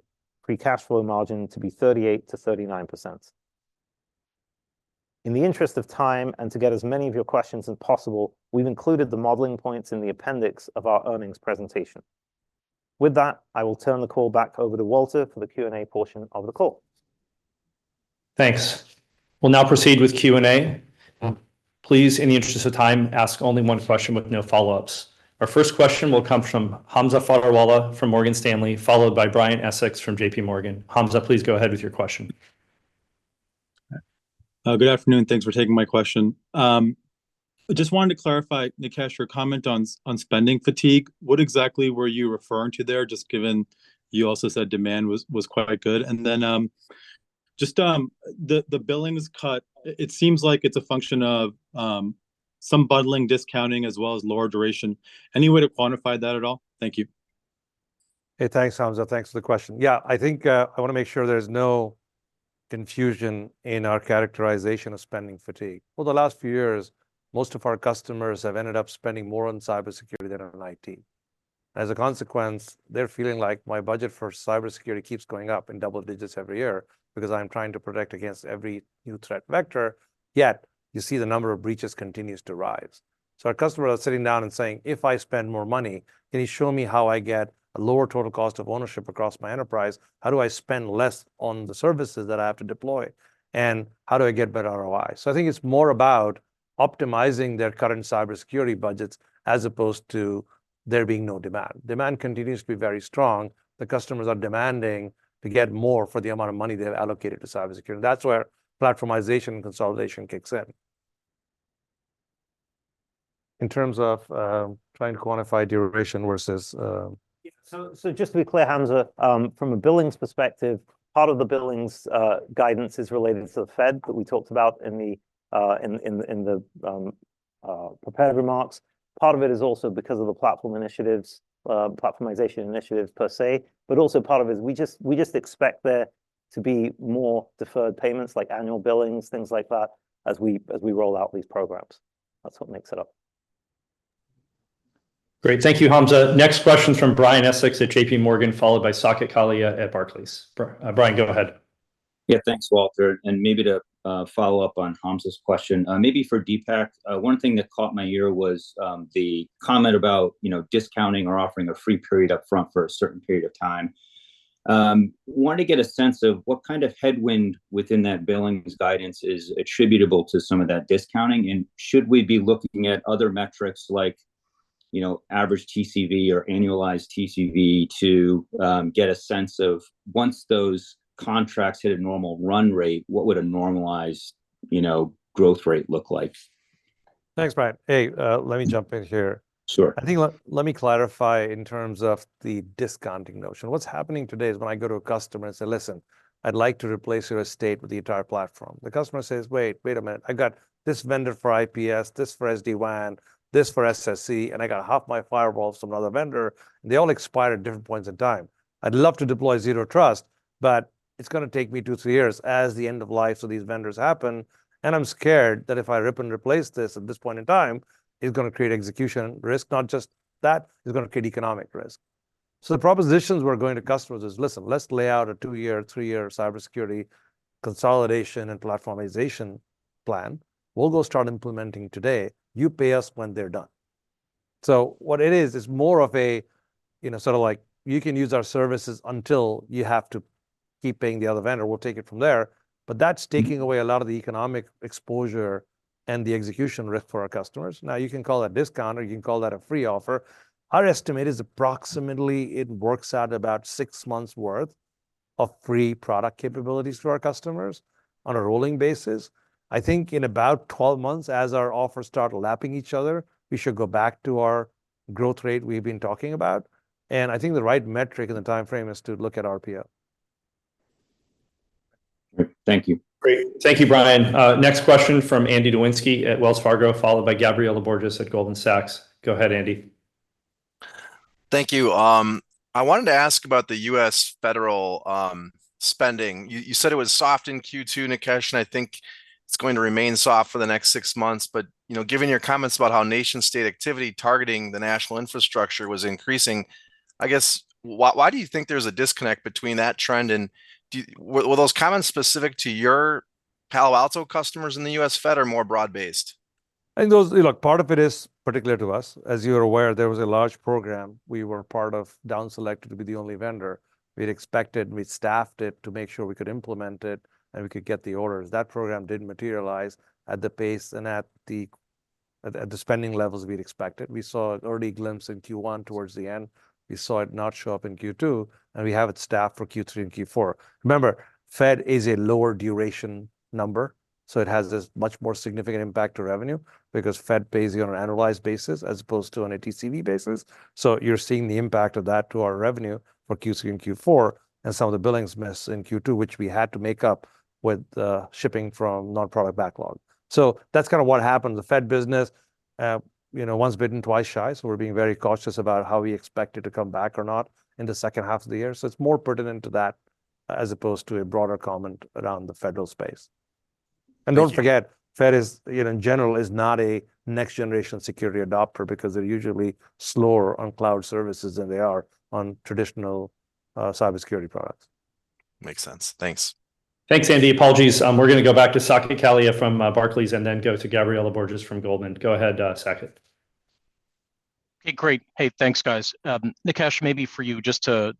free cash flow margin to be 38%-39%. In the interest of time and to get as many of your questions as possible, we've included the modeling points in the appendix of our earnings presentation. With that, I will turn the call back over to Walter for the Q&A portion of the call. Thanks. We'll now proceed with Q&A. Please, in the interest of time, ask only one question with no follow-ups. Our first question will come from Hamza Fodderwala from Morgan Stanley, followed by Brian Essex from J.P. Morgan. Hamza, please go ahead with your question. Good afternoon. Thanks for taking my question. I just wanted to clarify, Nikesh, your comment on spending fatigue. What exactly were you referring to there, just given you also said demand was quite good? Then, just the billings cut, it seems like it's a function of some bundling, discounting, as well as lower duration. Any way to quantify that at all? Thank you. Hey, thanks, Hamza. Thanks for the question. Yeah, I think I want to make sure there's no confusion in our characterization of spending fatigue. Over the last few years, most of our customers have ended up spending more on cybersecurity than on IT. As a consequence, they're feeling like my budget for cybersecurity keeps going up in double digits every year because I'm trying to protect against every new threat vector, yet you see the number of breaches continues to rise. Our customers are sitting down and saying, "If I spend more money, can you show me how I get a lower total cost of ownership across my enterprise? How do I spend less on the services that I have to deploy? How do I get better ROI?" I think it's more about optimizing their current cybersecurity budgets as opposed to there being no demand. Demand continues to be very strong. The customers are demanding to get more for the amount of money they've allocated to cybersecurity. That's where platformization and consolidation kicks in. In terms of trying to quantify duration versus. Yeah, Just to be clear, Hamza, from a billings perspective, part of the billings guidance is related to the Fed that we talked about in the prepared remarks. Part of it is also because of the platform initiatives, platformization initiatives per se, but also part of it is we just expect there to be more deferred payments like annual billings, things like that, as we roll out these programs. That's what makes it up. Thank you, Hamza. Next question from Brian Essex at J.P. Morgan, followed by Saket Kalia at Barclays. Brian, go ahead. Yeah, thanks, Walter. And maybe to follow up on Hamza's question, maybe for Dipak, one thing that caught my ear was the comment about discounting or offering a free period upfront for a certain period of time. I wanted to get a sense of what kind of headwind within that billings guidance is attributable to some of that discounting, and should we be looking at other metrics like average TCV or annualized TCV to get a sense of once those contracts hit a normal run rate, what would a normalized growth rate look like? Thanks, Brian. Hey, let me jump in here. Sure. I think let me clarify in terms of the discounting notion what's happening today is when I go to a customer and say, "Listen, I'd like to replace your estate with the entire platform." The customer says, "Wait, wait a minute. I got this vendor for IPS, this for SD-WAN, this for SSE, and I got half my firewalls from another vendor, and they all expired at different points in time. I'd love to deploy Zero Trust, but it's going to take me 2-3 years as the end of life of these vendors happen. I'm scared that if I rip and replace this at this point in time, it's going to create execution risk. Not just that, it's going to create economic risk." The propositions we're going to customers is, "Listen, let's lay out a 2-year, 3-year cybersecurity consolidation and platformization plan. We'll go start implementing today. You pay us when they're done." What it is, is more of a sort of like, "You can use our services until you have to keep paying the other vendor we'll take it from there." But that's taking away a lot of the economic exposure and the execution risk for our customers now, you can call that discount or you can call that a free offer. Our estimate is approXSIAMately, it works out about six months' worth of free product capabilities for our customers on a rolling basis. I think in about 12 months, as our offers start lapping each other, we should go back to our growth rate we've been talking about. I think the right metric in the timeframe is to look at RPO. Great. Thank you. Great. Thank you, Brian. Next question from Andrew Nowinski at Wells Fargo, followed by Gabriela Borges at Goldman Sachs. Go ahead, Andy. Thank you. I wanted to ask about the U.S. federal spending. You said it was soft in Q2, Nikesh, and I think it's going to remain soft for the next six months. But given your comments about how nation-state activity targeting the national infrastructure was increasing, I guess, why do you think there's a disconnect between that trend? Were those comments specific to your Palo Alto customers in the U.S. Fed or more broad-based? I think those part of it is particular to us. As you're aware, there was a large program we were part of downselected to be the only vendor. We'd expected we staffed it to make sure we could implement it and we could get the orders that program didn't materialize at the pace and at the spending levels we'd expected we saw an early glimpse in Q1 towards the end. We saw it not show up in Q2, and we have it staffed for Q3 and Q4. Remember, Fed is a lower-duration number, so it has this much more significant impact to revenue because Fed pays you on an annualized basis as opposed to on a TCV basis. You're seeing the impact of that to our revenue for Q3 and Q4 and some of the billings miss in Q2, which we had to make up with shipping from non-product backlog. So that's kind of what happened in the Fed business. Once bitten, twice shy. We're being very cautious about how we expect it to come back or not in the second half of the year it's more pertinent to that as opposed to a broader comment around the federal space. Don't forget, Fed in general is not a next-generation security adopter because they're usually slower on cloud services than they are on traditional cybersecurity products. Makes sense. Thanks. Thanks, Andy. Apologies. We're going to go back to Saket Kalia from Barclays and then go to Gabriela Borges from Goldman Sachs. Go ahead, Saket. Hey, great. Hey, thanks, guys. Nikesh, maybe for you, just to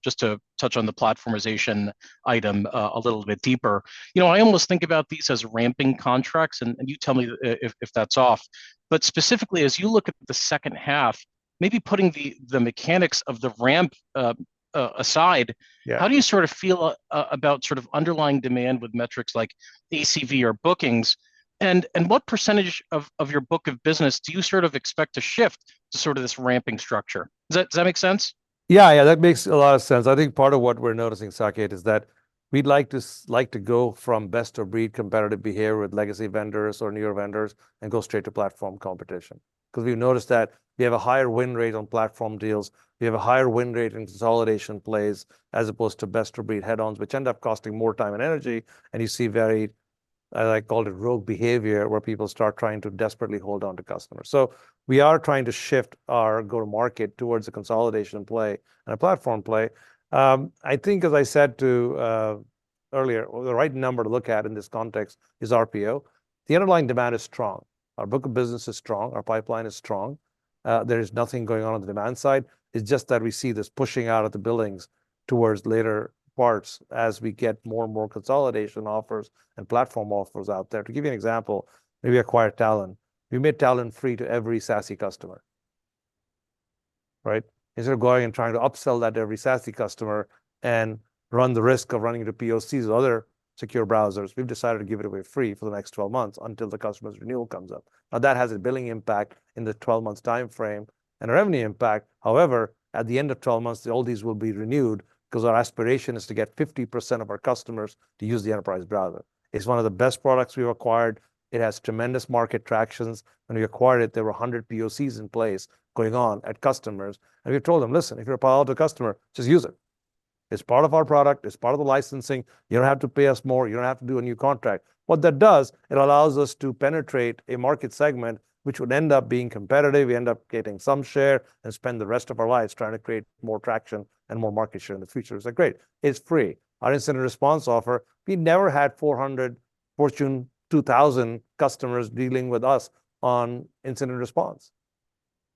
touch on the platformization item a little bit deeper. I almost think about these as ramping contracts, and you tell me if that's off. But specifically, as you look at the second half, maybe putting the mechanics of the ramp aside, how do you sort of feel about sort of underlying demand with metrics like ACV or bookings? What percentage of your book of business do you sort of expect to shift to sort of this ramping structure? Does that make sense? Yeah, that makes a lot of sense i think part of what we're noticing, Saket, is that we'd like to go from best-of-breed competitive behavior with legacy vendors or newer vendors and go straight to platform competition. Because we've noticed that we have a higher win rate on platform deals. We have a higher win rate in consolidation plays as opposed to best-of-breed head-ons, which end up costing more time and energy, and you see very, as I called it, rogue behavior where people start trying to desperately hold onto customers. We are trying to shift our go-to-market towards a consolidation play and a platform play. I think, as I said earlier, the right number to look at in this context is RPO. The underlying demand is strong. Our book of business is strong. Our pipeline is strong. There is nothing going on on the demand side. It's just that we see this pushing out of the billings towards later parts as we get more and more consolidation offers and platform offers out there to give you an example, maybe acquire Talon. We made Talon free to every SASE customer. Right? Instead of going and trying to upsell that to every SASE customer and run the risk of running into POCs or other secure browsers, we've decided to give it away free for the next 12 months until the customer's renewal comes up. Now, that has a billing impact in the 12-month timeframe and a revenue impact. However, at the end of 12 months, all these will be renewed because our aspiration is to get 50% of our customers to use the enterprise browser. It's one of the best products we've acquired. It has tremendous market tractions. When we acquired it, there were 100 POCs in place going on at customers. We've told them, "Listen, if you're a Palo Alto customer, just use it. It's part of our product. It's part of the licensing. You don't have to pay us more. You don't have to do a new contract." What that does, it allows us to penetrate a market segment which would end up being competitive we end up getting some share and spend the rest of our lives trying to create more traction and more market share in the future. It's like, "Great. It's free." Our incident response offer, we never had 400 Fortune 2000 customers dealing with us on incident response.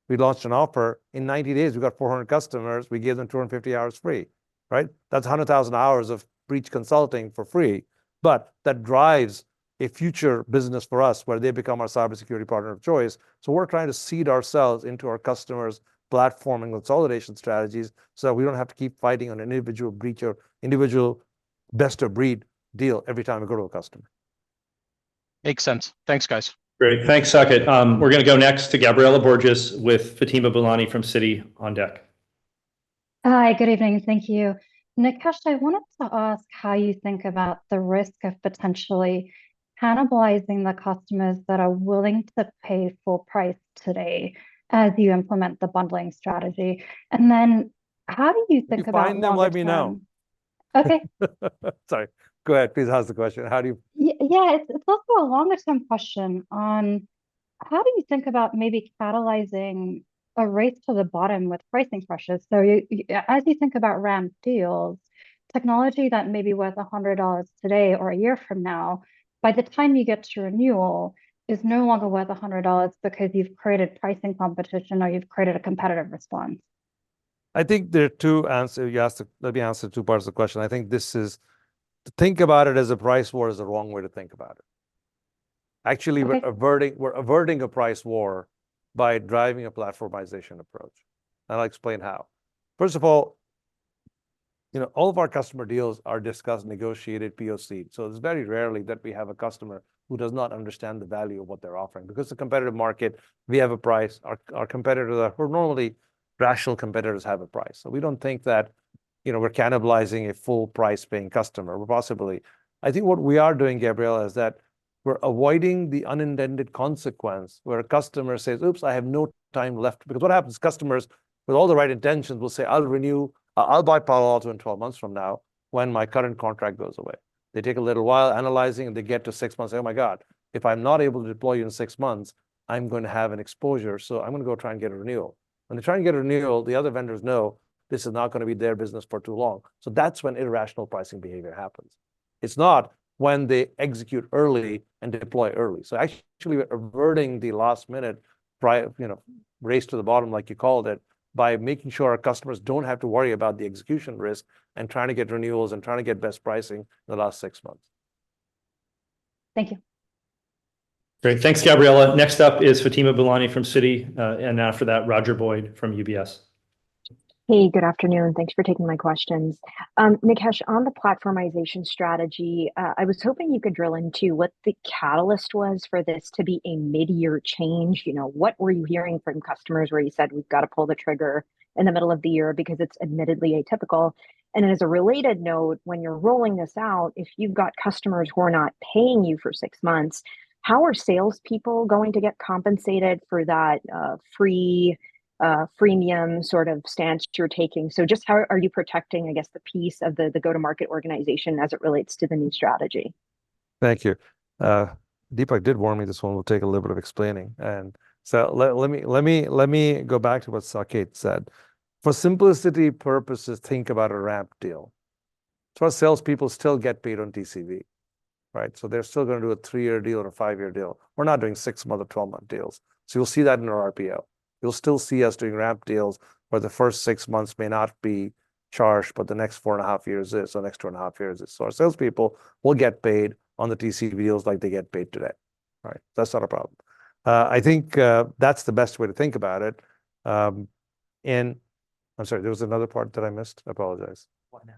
We launched an offer. In 90 days, we got 400 customers. We gave them 250 hours free. Right? That's 100,000 hours of breach consulting for free. That drives a future business for us where they become our cybersecurity partner of choice. We're trying to seed ourselves into our customers' platforming consolidation strategies so that we don't have to keep fighting on an individual breach or individual best-of-breed deal every time we go to a customer. Makes sense. Thanks, guys. Great. Thanks, Saket. We're going to go next to Gabriela Borges with Fatima Boolani from Citi on deck. Hi, good evening. Thank you. Nikesh, I wanted to ask how you think about the risk of potentially cannibalizing the customers that are willing to pay full price today as you implement the bundling strategy. Then how do you think about. If you find them, let me know. Okay. Sorry. Go ahead, please. Ask the question. How do you. Yeah, it's also a longer-term question on how do you think about maybe catalyzing a race to the bottom with pricing pressures? As you think about ramp deals, technology that may be worth $100 today or a year from now, by the time you get to renewal, is no longer worth $100 because you've created pricing competition or you've created a competitive response? I think there are two answers you asked to let me answer two parts of the question. I think this is to think about it as a price war is the wrong way to think about it. Actually, we're averting a price war by driving a platformization approach. And I'll explain how. First of all, all of our customer deals are discussed, negotiated, POCed it's very rarely that we have a customer who does not understand the value of what they're offering because it's a competitive market, we have a price our competitors are who normally rational competitors have a price. We don't think that we're cannibalizing a full-price paying customer. I think what we are doing, Gabriela, is that we're avoiding the unintended consequence where a customer says, "Oops, I have no time left." Because what happens is customers with all the right intentions will say, "I'll renew. I'll buy Palo Alto in 12 months from now when my current contract goes away." They take a little while analyzing, and they get to 6 months saying, "Oh my God, if I'm not able to deploy you in 6 months, I'm going to have an exposure. I'm going to go try and get a renewal." When they try and get a renewal, the other vendors know this is not going to be their business for too long. That's when irrational pricing behavior happens. It's not when they execute early and deploy early. Actually, we're averting the last-minute race to the bottom, like you called it, by making sure our customers don't have to worry about the execution risk and trying to get renewals and trying to get best pricing in the last six months. Thank you. Great. Thanks, Gabriela. Next up is Fatima Boolani from Citi. And now for that, Roger Boyd from UBS. Hey, good afternoon. Thanks for taking my questions. Nikesh, on the platformization strategy, I was hoping you could drill into what the catalyst was for this to be a mid-year change. What were you hearing from customers where you said, "We've got to pull the trigger in the middle of the year?" Because it's admittedly atypical. As a related note, when you're rolling this out, if you've got customers who are not paying you for six months, how are salespeople going to get compensated for that freemium sort of stance you're taking? Just how are you protecting, I guess, the piece of the go-to-market organization as it relates to the new strategy? Thank you. Dipak did warn me this one will take a little bit of explaining. Let me go back to what Saket said. For simplicity purposes, think about a ramp deal. Our salespeople still get paid on TCV. Right? So they're still going to do a three-year deal or a five-year deal. We're not doing six-month or 12-month deals. You'll see that in our RPO. You'll still see us doing ramp deals where the first 6 months may not be charged, but the next 4.5 years is next 2.5 years is. Our salespeople will get paid on the TCV deals like they get paid today. Right? That's not a problem. I think that's the best way to think about it. I'm sorry, there was another part that I missed. I apologize. What now?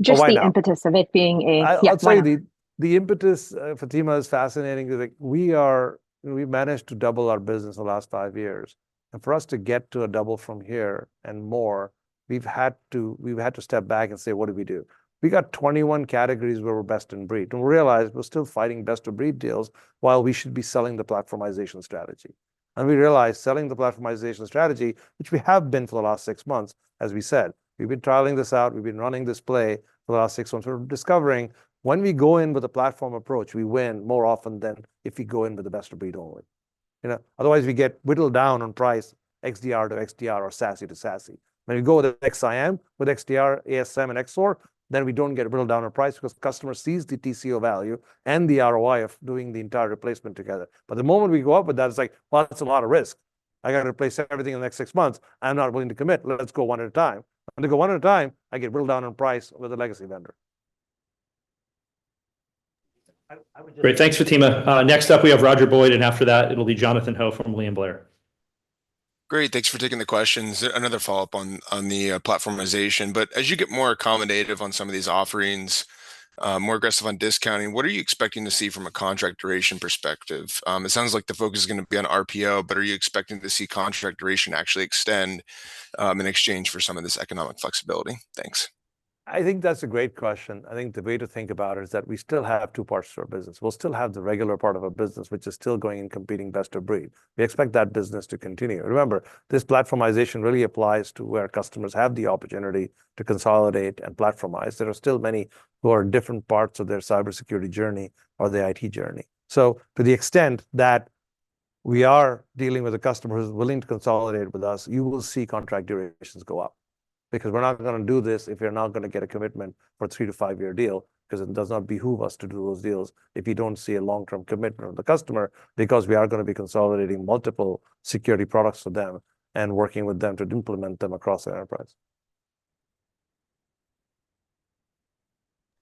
Just the impetus of it being a. Yeah, sorry. The impetus, Fatima, is fascinating because we've managed to double our business in the last 5 years. For us to get to a double from here and more, we've had to step back and say, "What do we do?" We got 21 categories where we're best in breed we realized we're still fighting best-of-breed deals while we should be selling the platformization strategy. We realized selling the platformization strategy, which we have been for the last six months, as we said, we've been trialing this out we've been running this play for the last six months we're discovering when we go in with a platform approach, we win more often than if we go in with the best-of-breed only. Otherwise, we get whittled down on price XDR to XDR or SASE to SASE. When we go with XSIAM, with XDR, ASM, and XSOAR, then we don't get whittled down on price because the customer sees the TCO value and the ROI of doing the entire replacement together. But the moment we go up with that, it's like, "Well, that's a lot of risk. I got to replace everything in the next six months. I'm not willing to commit. Let's go one at a time." When they go one at a time, I get whittled down on price with a legacy vendor. Great. Thanks, Fatima. Next up, we have Roger Boyd. And after that, it'll be Jonathan Ho from William Blair. Great. Thanks for taking the questions. Another follow-up on the platformization. But as you get more accommodative on some of these offerings, more aggressive on discounting, what are you expecting to see from a contract duration perspective? It sounds like the focus is going to be on RPO, but are you expecting to see contract duration actually extend in exchange for some of this economic flexibility? Thanks. I think that's a great question. I think the way to think about it is that we still have two parts to our business we'll still have the regular part of our business, which is still going and competing best-of-breed. We expect that business to continue. Remember, this platformization really applies to where customers have the opportunity to consolidate and platformize there are still many who are in different parts of their cybersecurity journey or the IT journey. To the extent that we are dealing with a customer who's willing to consolidate with us, you will see contract durations go up. Because we're not going to do this if you're not going to get a commitment for a 3-5-year deal. Because it does not behoove us to do those deals if you don't see a long-term commitment of the customer because we are going to be consolidating multiple security products for them and working with them to implement them across the enterprise.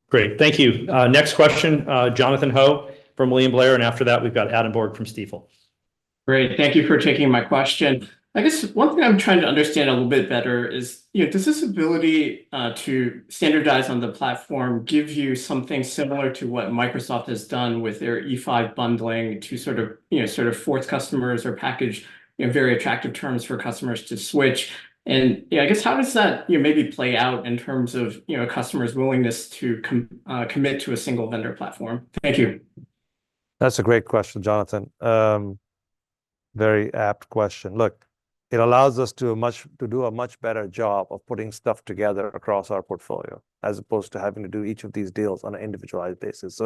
Great. Thank you. Next question, Jonathan Ho from William Blair. And after that, we've got Adam Borg from Stifel. Great. Thank you for taking my question. I guess one thing I'm trying to understand a little bit better is, does this ability to standardize on the platform give you something similar to what Microsoft has done with their E5 bundling to sort of force customers or package very attractive terms for customers to switch? I guess how does that maybe play out in terms of a customer's willingness to commit to a single vendor platform? Thank you. That's a great question, Jonathan. Very apt question. Look, it allows us to do a much better job of putting stuff together across our portfolio as opposed to having to do each of these deals on an individualized basis.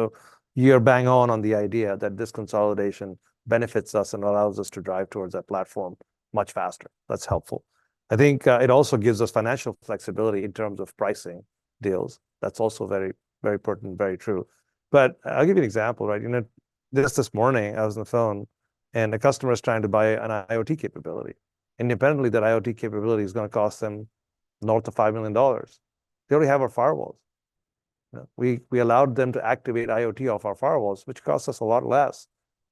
You're bang on on the idea that this consolidation benefits us and allows us to drive towards that platform much faster. That's helpful. I think it also gives us financial flexibility in terms of pricing deals. That's also very, very pertinent, very true. But I'll give you an example. Right? Just this morning, I was on the phone, and a customer is trying to buy an IoT capability. Independently, that IoT capability is going to cost them north of $5 million. They already have our firewalls. We allowed them to activate IoT off our firewalls, which cost us a lot less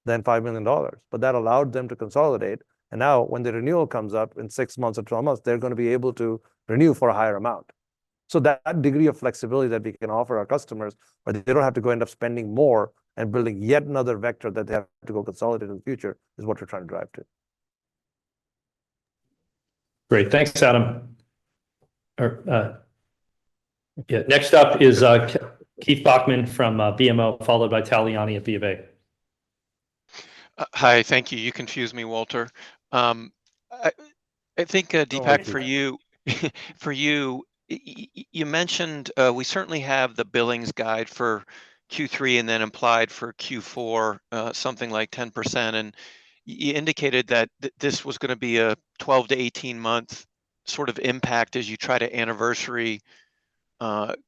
than $5 million. But that allowed them to consolidate. Now, when the renewal comes up in six months or 12 months, they're going to be able to renew for a higher amount. That degree of flexibility that we can offer our customers where they don't have to go end up spending more and building yet another vector that they have to go consolidate in the future is what we're trying to drive to. Great. Thanks, Adam. Next up is Keith Bachmann from BMO, followed by Tal Liani at B of A. Hi. Thank you. You confused me, Walter. I think, Dipak, for you, you mentioned we certainly have the billings guide for Q3 and then implied for Q4 something like 10%. You indicated that this was going to be a 12-18-month sort of impact as you try to anniversary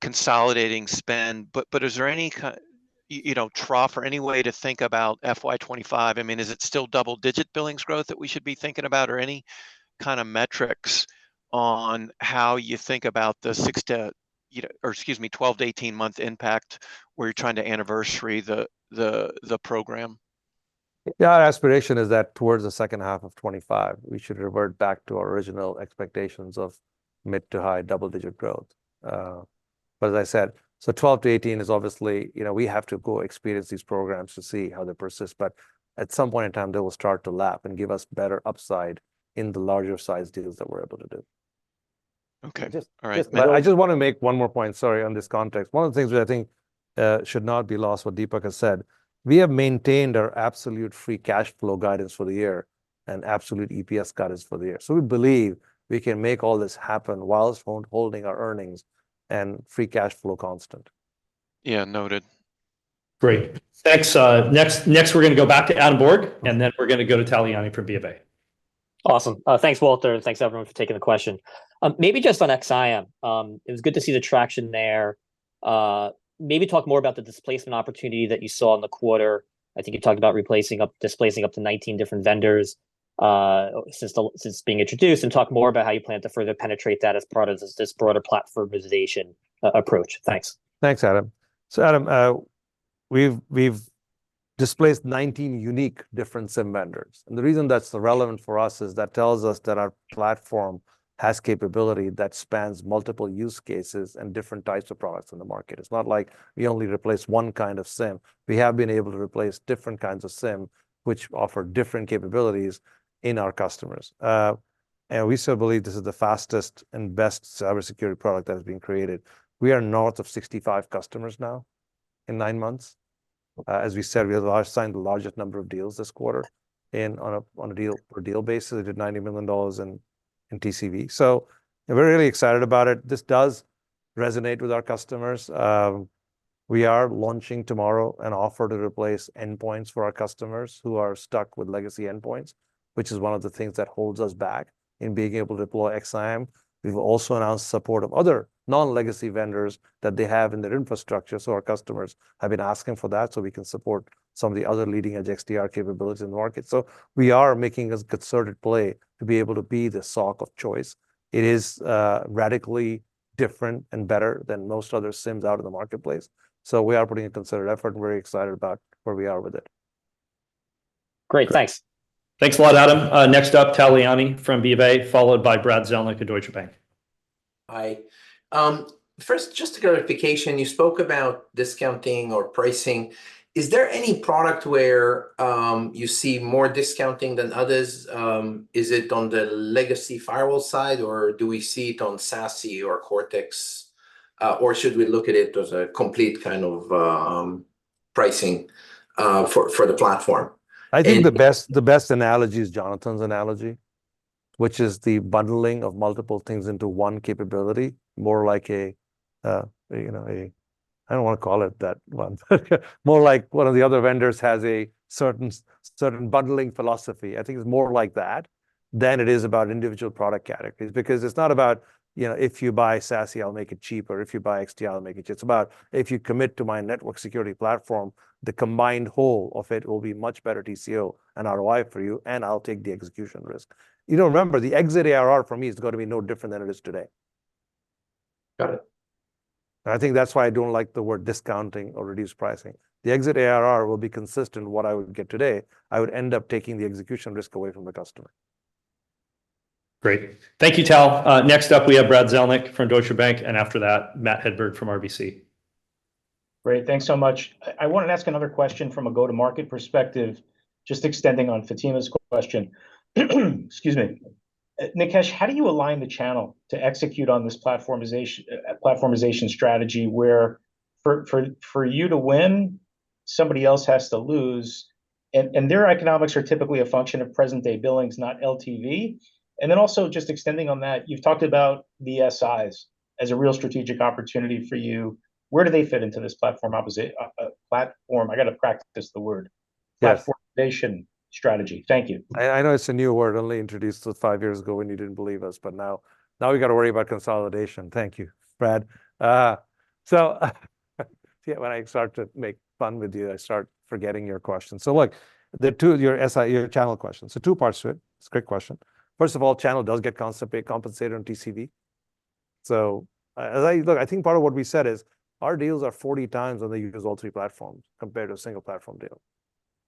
consolidating spend. But is there any trough or any way to think about FY25? I mean, is it still double-digit billings growth that we should be thinking about, or any kind of metrics on how you think about the six to or excuse me, 12- to 18-month impact where you're trying to anniversary the program? Our aspiration is that towards the second half of 2025, we should revert back to our original expectations of mid- to high double-digit growth. But as I said, so 12-18 is obviously we have to go experience these programs to see how they persist. But at some point in time, they will start to lap and give us better upside in the larger-sized deals that we're able to do. Okay. All right. But I just want to make one more point. Sorry on this context. One of the things which I think should not be lost, what Dipak has said, we have maintained our absolute free cash flow guidance for the year and absolute EPS guidance for the year. We believe we can make all this happen while holding our earnings and free cash flow constant. Yeah, noted. Great. Thanks. Next, we're going to go back to Adam Borg, and then we're going to go to Tal Liani from B of A. Awesome. Thanks, Walter, and thanks, everyone, for taking the question. Maybe just on XSIAM, it was good to see the traction there. Maybe talk more about the displacement opportunity that you saw in the quarter. I think you talked about replacing up to 19 different vendors since being introduced. Talk more about how you plan to further penetrate that as part of this broader platformization approach. Thanks. Thanks, Adam, we've displaced 19 unique different SIM vendors. The reason that's relevant for us is that tells us that our platform has capability that spans multiple use cases and different types of products in the market it's not like we only replace one kind of SIM. We have been able to replace different kinds of SIM, which offer different capabilities in our customers. We still believe this is the fastest and best cybersecurity product that has been created. We are north of 65 customers now in nine months. As we said, we have signed the largest number of deals this quarter on a deal-for-deal basis we did $90 million in TCV. We're really excited about it. This does resonate with our customers. We are launching tomorrow an offer to replace endpoints for our customers who are stuck with legacy endpoints, which is one of the things that holds us back in being able to deploy XSIAM. We've also announced support of other non-legacy vendors that they have in their infrastructure our customers have been asking for that so we can support some of the other leading edge XDR capabilities in the market. We are making a concerted play to be able to be the SOC of choice. It is radically different and better than most other SIEMs out in the marketplace. So we are putting a concerted effort and very excited about where we are with it. Great. Thanks. Thanks a lot, Adam. Next up, Tal Liani from BofA Securities, followed by Brad Zelnick at Deutsche Bank. Hi. First, just a clarification. You spoke about discounting or pricing. Is there any product where you see more discounting than others? Is it on the legacy firewall side, or do we see it on SASE or Cortex? Or should we look at it as a complete kind of pricing for the platform? I think the best analogy is Jonathan's analogy, which is the bundling of multiple things into one capability, more like a I don't want to call it that one. More like one of the other vendors has a certain bundling philosophy. I think it's more like that than it is about individual product categories because it's not about, "If you buy SASE, I'll make it cheaper if you buy XDR, I'll make it cheaper." It's about, "If you commit to my network security platform, the combined whole of it will be much better TCO and ROI for you, and I'll take the execution risk." Remember, the exit ARR for me is going to be no different than it is today. Got it. I think that's why I don't like the word discounting or reduced pricing. The exit ARR will be consistent with what I would get today. I would end up taking the execution risk away from the customer. Thank you, Tal. Next up, we have Brad Zelnick from Deutsche Bank. And after that, Matt Hedberg from RBC. Great. Thanks so much. I want to ask another question from a go-to-market perspective, just extending on Fatima's question. Excuse me. Nikesh, how do you align the channel to execute on this platformization strategy where for you to win? somebody else has to lose? Their economics are typically a function of present-day billings, not LTV. Then also just extending on that, you've talked about the SIs as a real strategic opportunity for you. Where do they fit into this platform? I've got to practice the word. Platformization strategy. Thank you. I know it's a new word i only introduced it five years ago when you didn't believe us but now we've got to worry about consolidation thank you, Brad. When I start to make fun with you, I start forgetting your question look, your channel question. Two parts to it. It's a great question. First of all, channel does get compensated on TCV. Look, I think part of what we said is our deals are 40x when they use all three platforms compared to a single platform deal.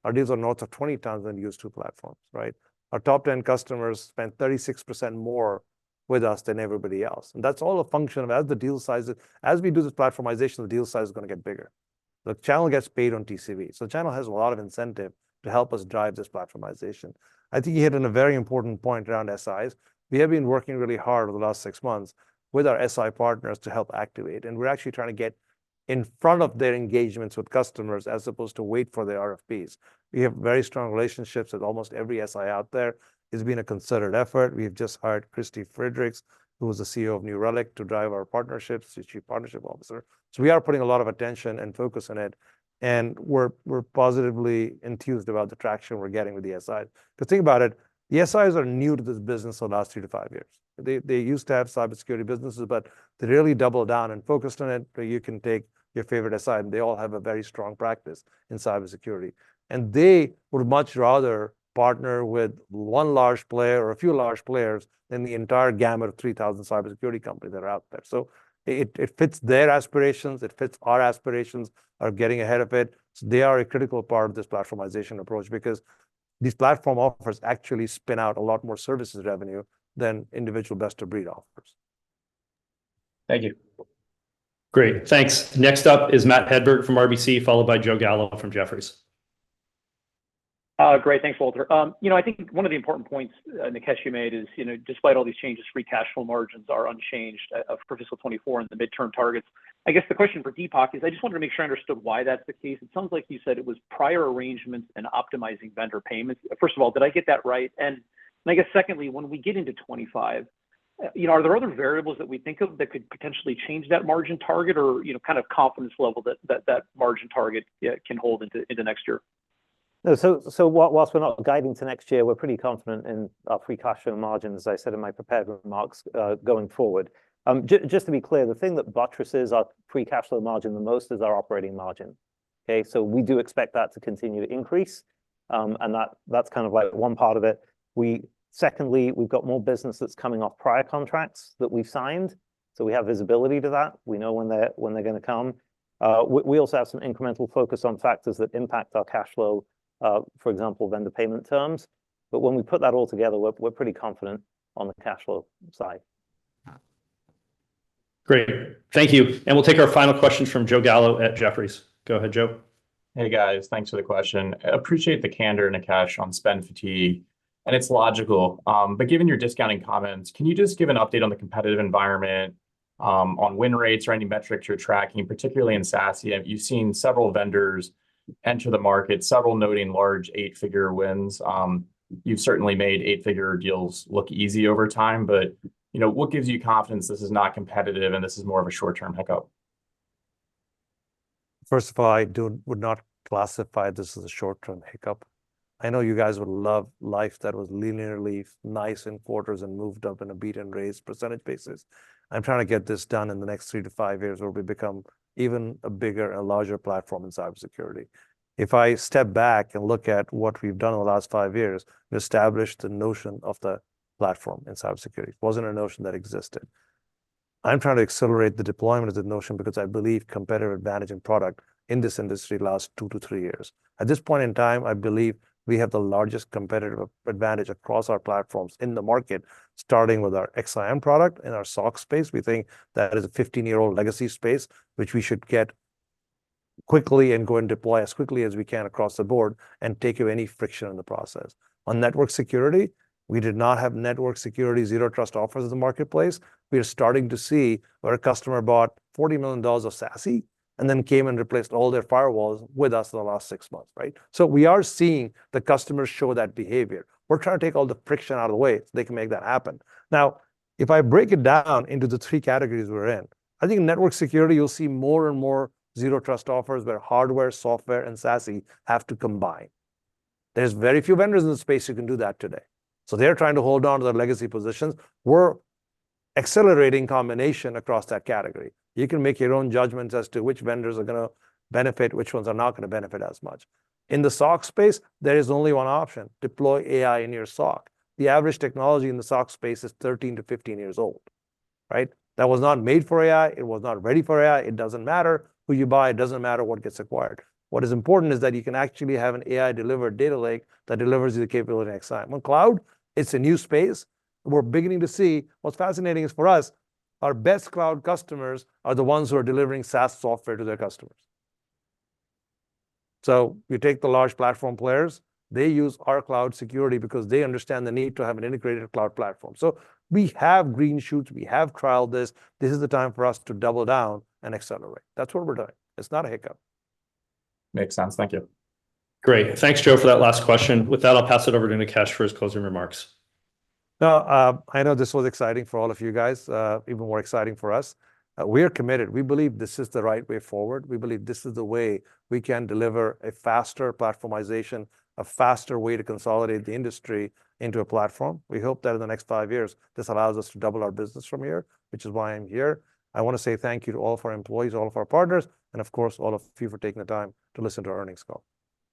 Our deals are north of 20x when they use two platforms. Right? Our top 10 customers spend 36% more with us than everybody else. That's all a function of as the deal size as we do this platformization, the deal size is going to get bigger. The channel gets paid on TCV channel has a lot of incentive to help us drive this platformization. I think you hit on a very important point around SIs. We have been working really hard over the last six months with our SI partners to help activate and we're actually trying to get in front of their engagements with customers as opposed to wait for their RFPs. We have very strong relationships with almost every SI out there. It's been a concerted effort. We have just hired Kristy Friedrichs, who was the CEO of New Relic, to drive our partnerships, the Chief Partnership Officer. We are putting a lot of attention and focus on it. We're positively enthused about the traction we're getting with the SIs. Because think about it, the SIs are new to this business for the last 3-5 years. They used to have cybersecurity businesses, but they really doubled down and focused on it where you can take your favorite SI. and they all have a very strong practice in cybersecurity. They would much rather partner with one large player or a few large players than the entire gamut of 3,000 cybersecurity companies that are out there. It fits their aspirations it fits our aspirations of getting ahead of it. They are a critical part of this platformization approach because these platform offers actually spin out a lot more services revenue than individual best-of-breed offers. Thank you. Great. Thanks. Next up is Matt Hedberg from RBC, followed by Joe Gallo from Jefferies. Great. Thanks, Walter. I think one of the important points, Nikesh, you made is, despite all these changes, free cash flow margins are unchanged for fiscal 2024 and the midterm targets. I guess the question for Dipak is, I just wanted to make sure I understood why that's the case it sounds like you said it was prior arrangements and optimizing vendor payments first of all, did I get that right? I guess, secondly, when we get into 2025, are there other variables that we think of that could potentially change that margin target or kind of confidence level that that margin target can hold into next year? No. While we're not guiding to next year, we're pretty confident in our free cash flow margin, as I said in my prepared remarks going forward. Just to be clear, the thing that buttresses our free cash flow margin the most is our operating margin. Okay? We do expect that to continue to increase. That's kind of one part of it. Secondly, we've got more business that's coming off prior contracts that we've signed. We have visibility to that. We know when they're going to come. We also have some incremental focus on factors that impact our cash flow, for example, vendor payment terms. But when we put that all together, we're pretty confident on the cash flow side. Great. Thank you. We'll take our final question from Joe Gallo at Jefferies. Go ahead, Joe. Hey, guys. Thanks for the question. Appreciate the candor, Nikesh, on spend fatigue and it's logical. But given your discounting comments, can you just give an update on the competitive environment, on win rates, or any metrics you're tracking, particularly in SASE? You've seen several vendors enter the market, several noting large eight-figure wins. You've certainly made eight-figure deals look easy over time. What gives you confidence this is not competitive and this is more of a short-term hiccup? First of all, I would not classify this as a short-term hiccup. I know you guys would love life that was linearly nice in quarters and moved up in a beat and race percentage basis. I'm trying to get this done in the next 3-5 years where we become even a bigger and a larger platform in cybersecurity. If I step back and look at what we've done in the last five years, we established the notion of the platform in cybersecurity it wasn't a notion that existed. I'm trying to accelerate the deployment of the notion because I believe competitive advantage in product in this industry lasts 2-3 years. At this point in time, I believe we have the largest competitive advantage across our platforms in the market, starting with our XSIAM product in our SOC space. We think that is a 15-year-old legacy space, which we should get quickly and go and deploy as quickly as we can across the board and take away any friction in the process. On network security, we did not have network security zero trust offers in the marketplace. We are starting to see where a customer bought $40 million of SASE and then came and replaced all their firewalls with us in the last six months. Right? We are seeing the customers show that behavior. We're trying to take all the friction out of the way so they can make that happen. Now, if I break it down into the three categories we're in, I think in network security, you'll see more and more zero trust offers where hardware, software, and SASE have to combine. There's very few vendors in the space who can do that today. They're trying to hold on to their legacy positions. We're accelerating combination across that category. You can make your own judgments as to which vendors are going to benefit, which ones are not going to benefit as much. In the SOC space, there is only one option: deploy AI in your SOC. The average technology in the SOC space is 13-15 years old. Right? That was not made for AI. It was not ready for AI. It doesn't matter who you buy. It doesn't matter what gets acquired. What is important is that you can actually have an AI-delivered data lake that delivers you the capability in XSIAM. On Cloud, it's a new space. We're beginning to see what's fascinating is for us, our best cloud customers are the ones who are delivering SaaS software to their customers. You take the large platform players. They use our Cloud security because they understand the need to have an integrated cloud platform. We have green shoots we have trialed this. This is the time for us to double down and accelerate. That's what we're doing. It's not a hiccup. Makes sense. Thank you. Great. Thanks, Joe, for that last question. With that, I'll pass it over to Nikesh for his closing remarks. I know this was exciting for all of you guys, even more exciting for us. We are committed. We believe this is the right way forward. We believe this is the way we can deliver a faster platformization, a faster way to consolidate the industry into a platform. We hope that in the next five years, this allows us to double our business from here, which is why I'm here. I want to say thank you to all of our employees, all of our partners, and of course, all of you for taking the time to listen to our earnings call.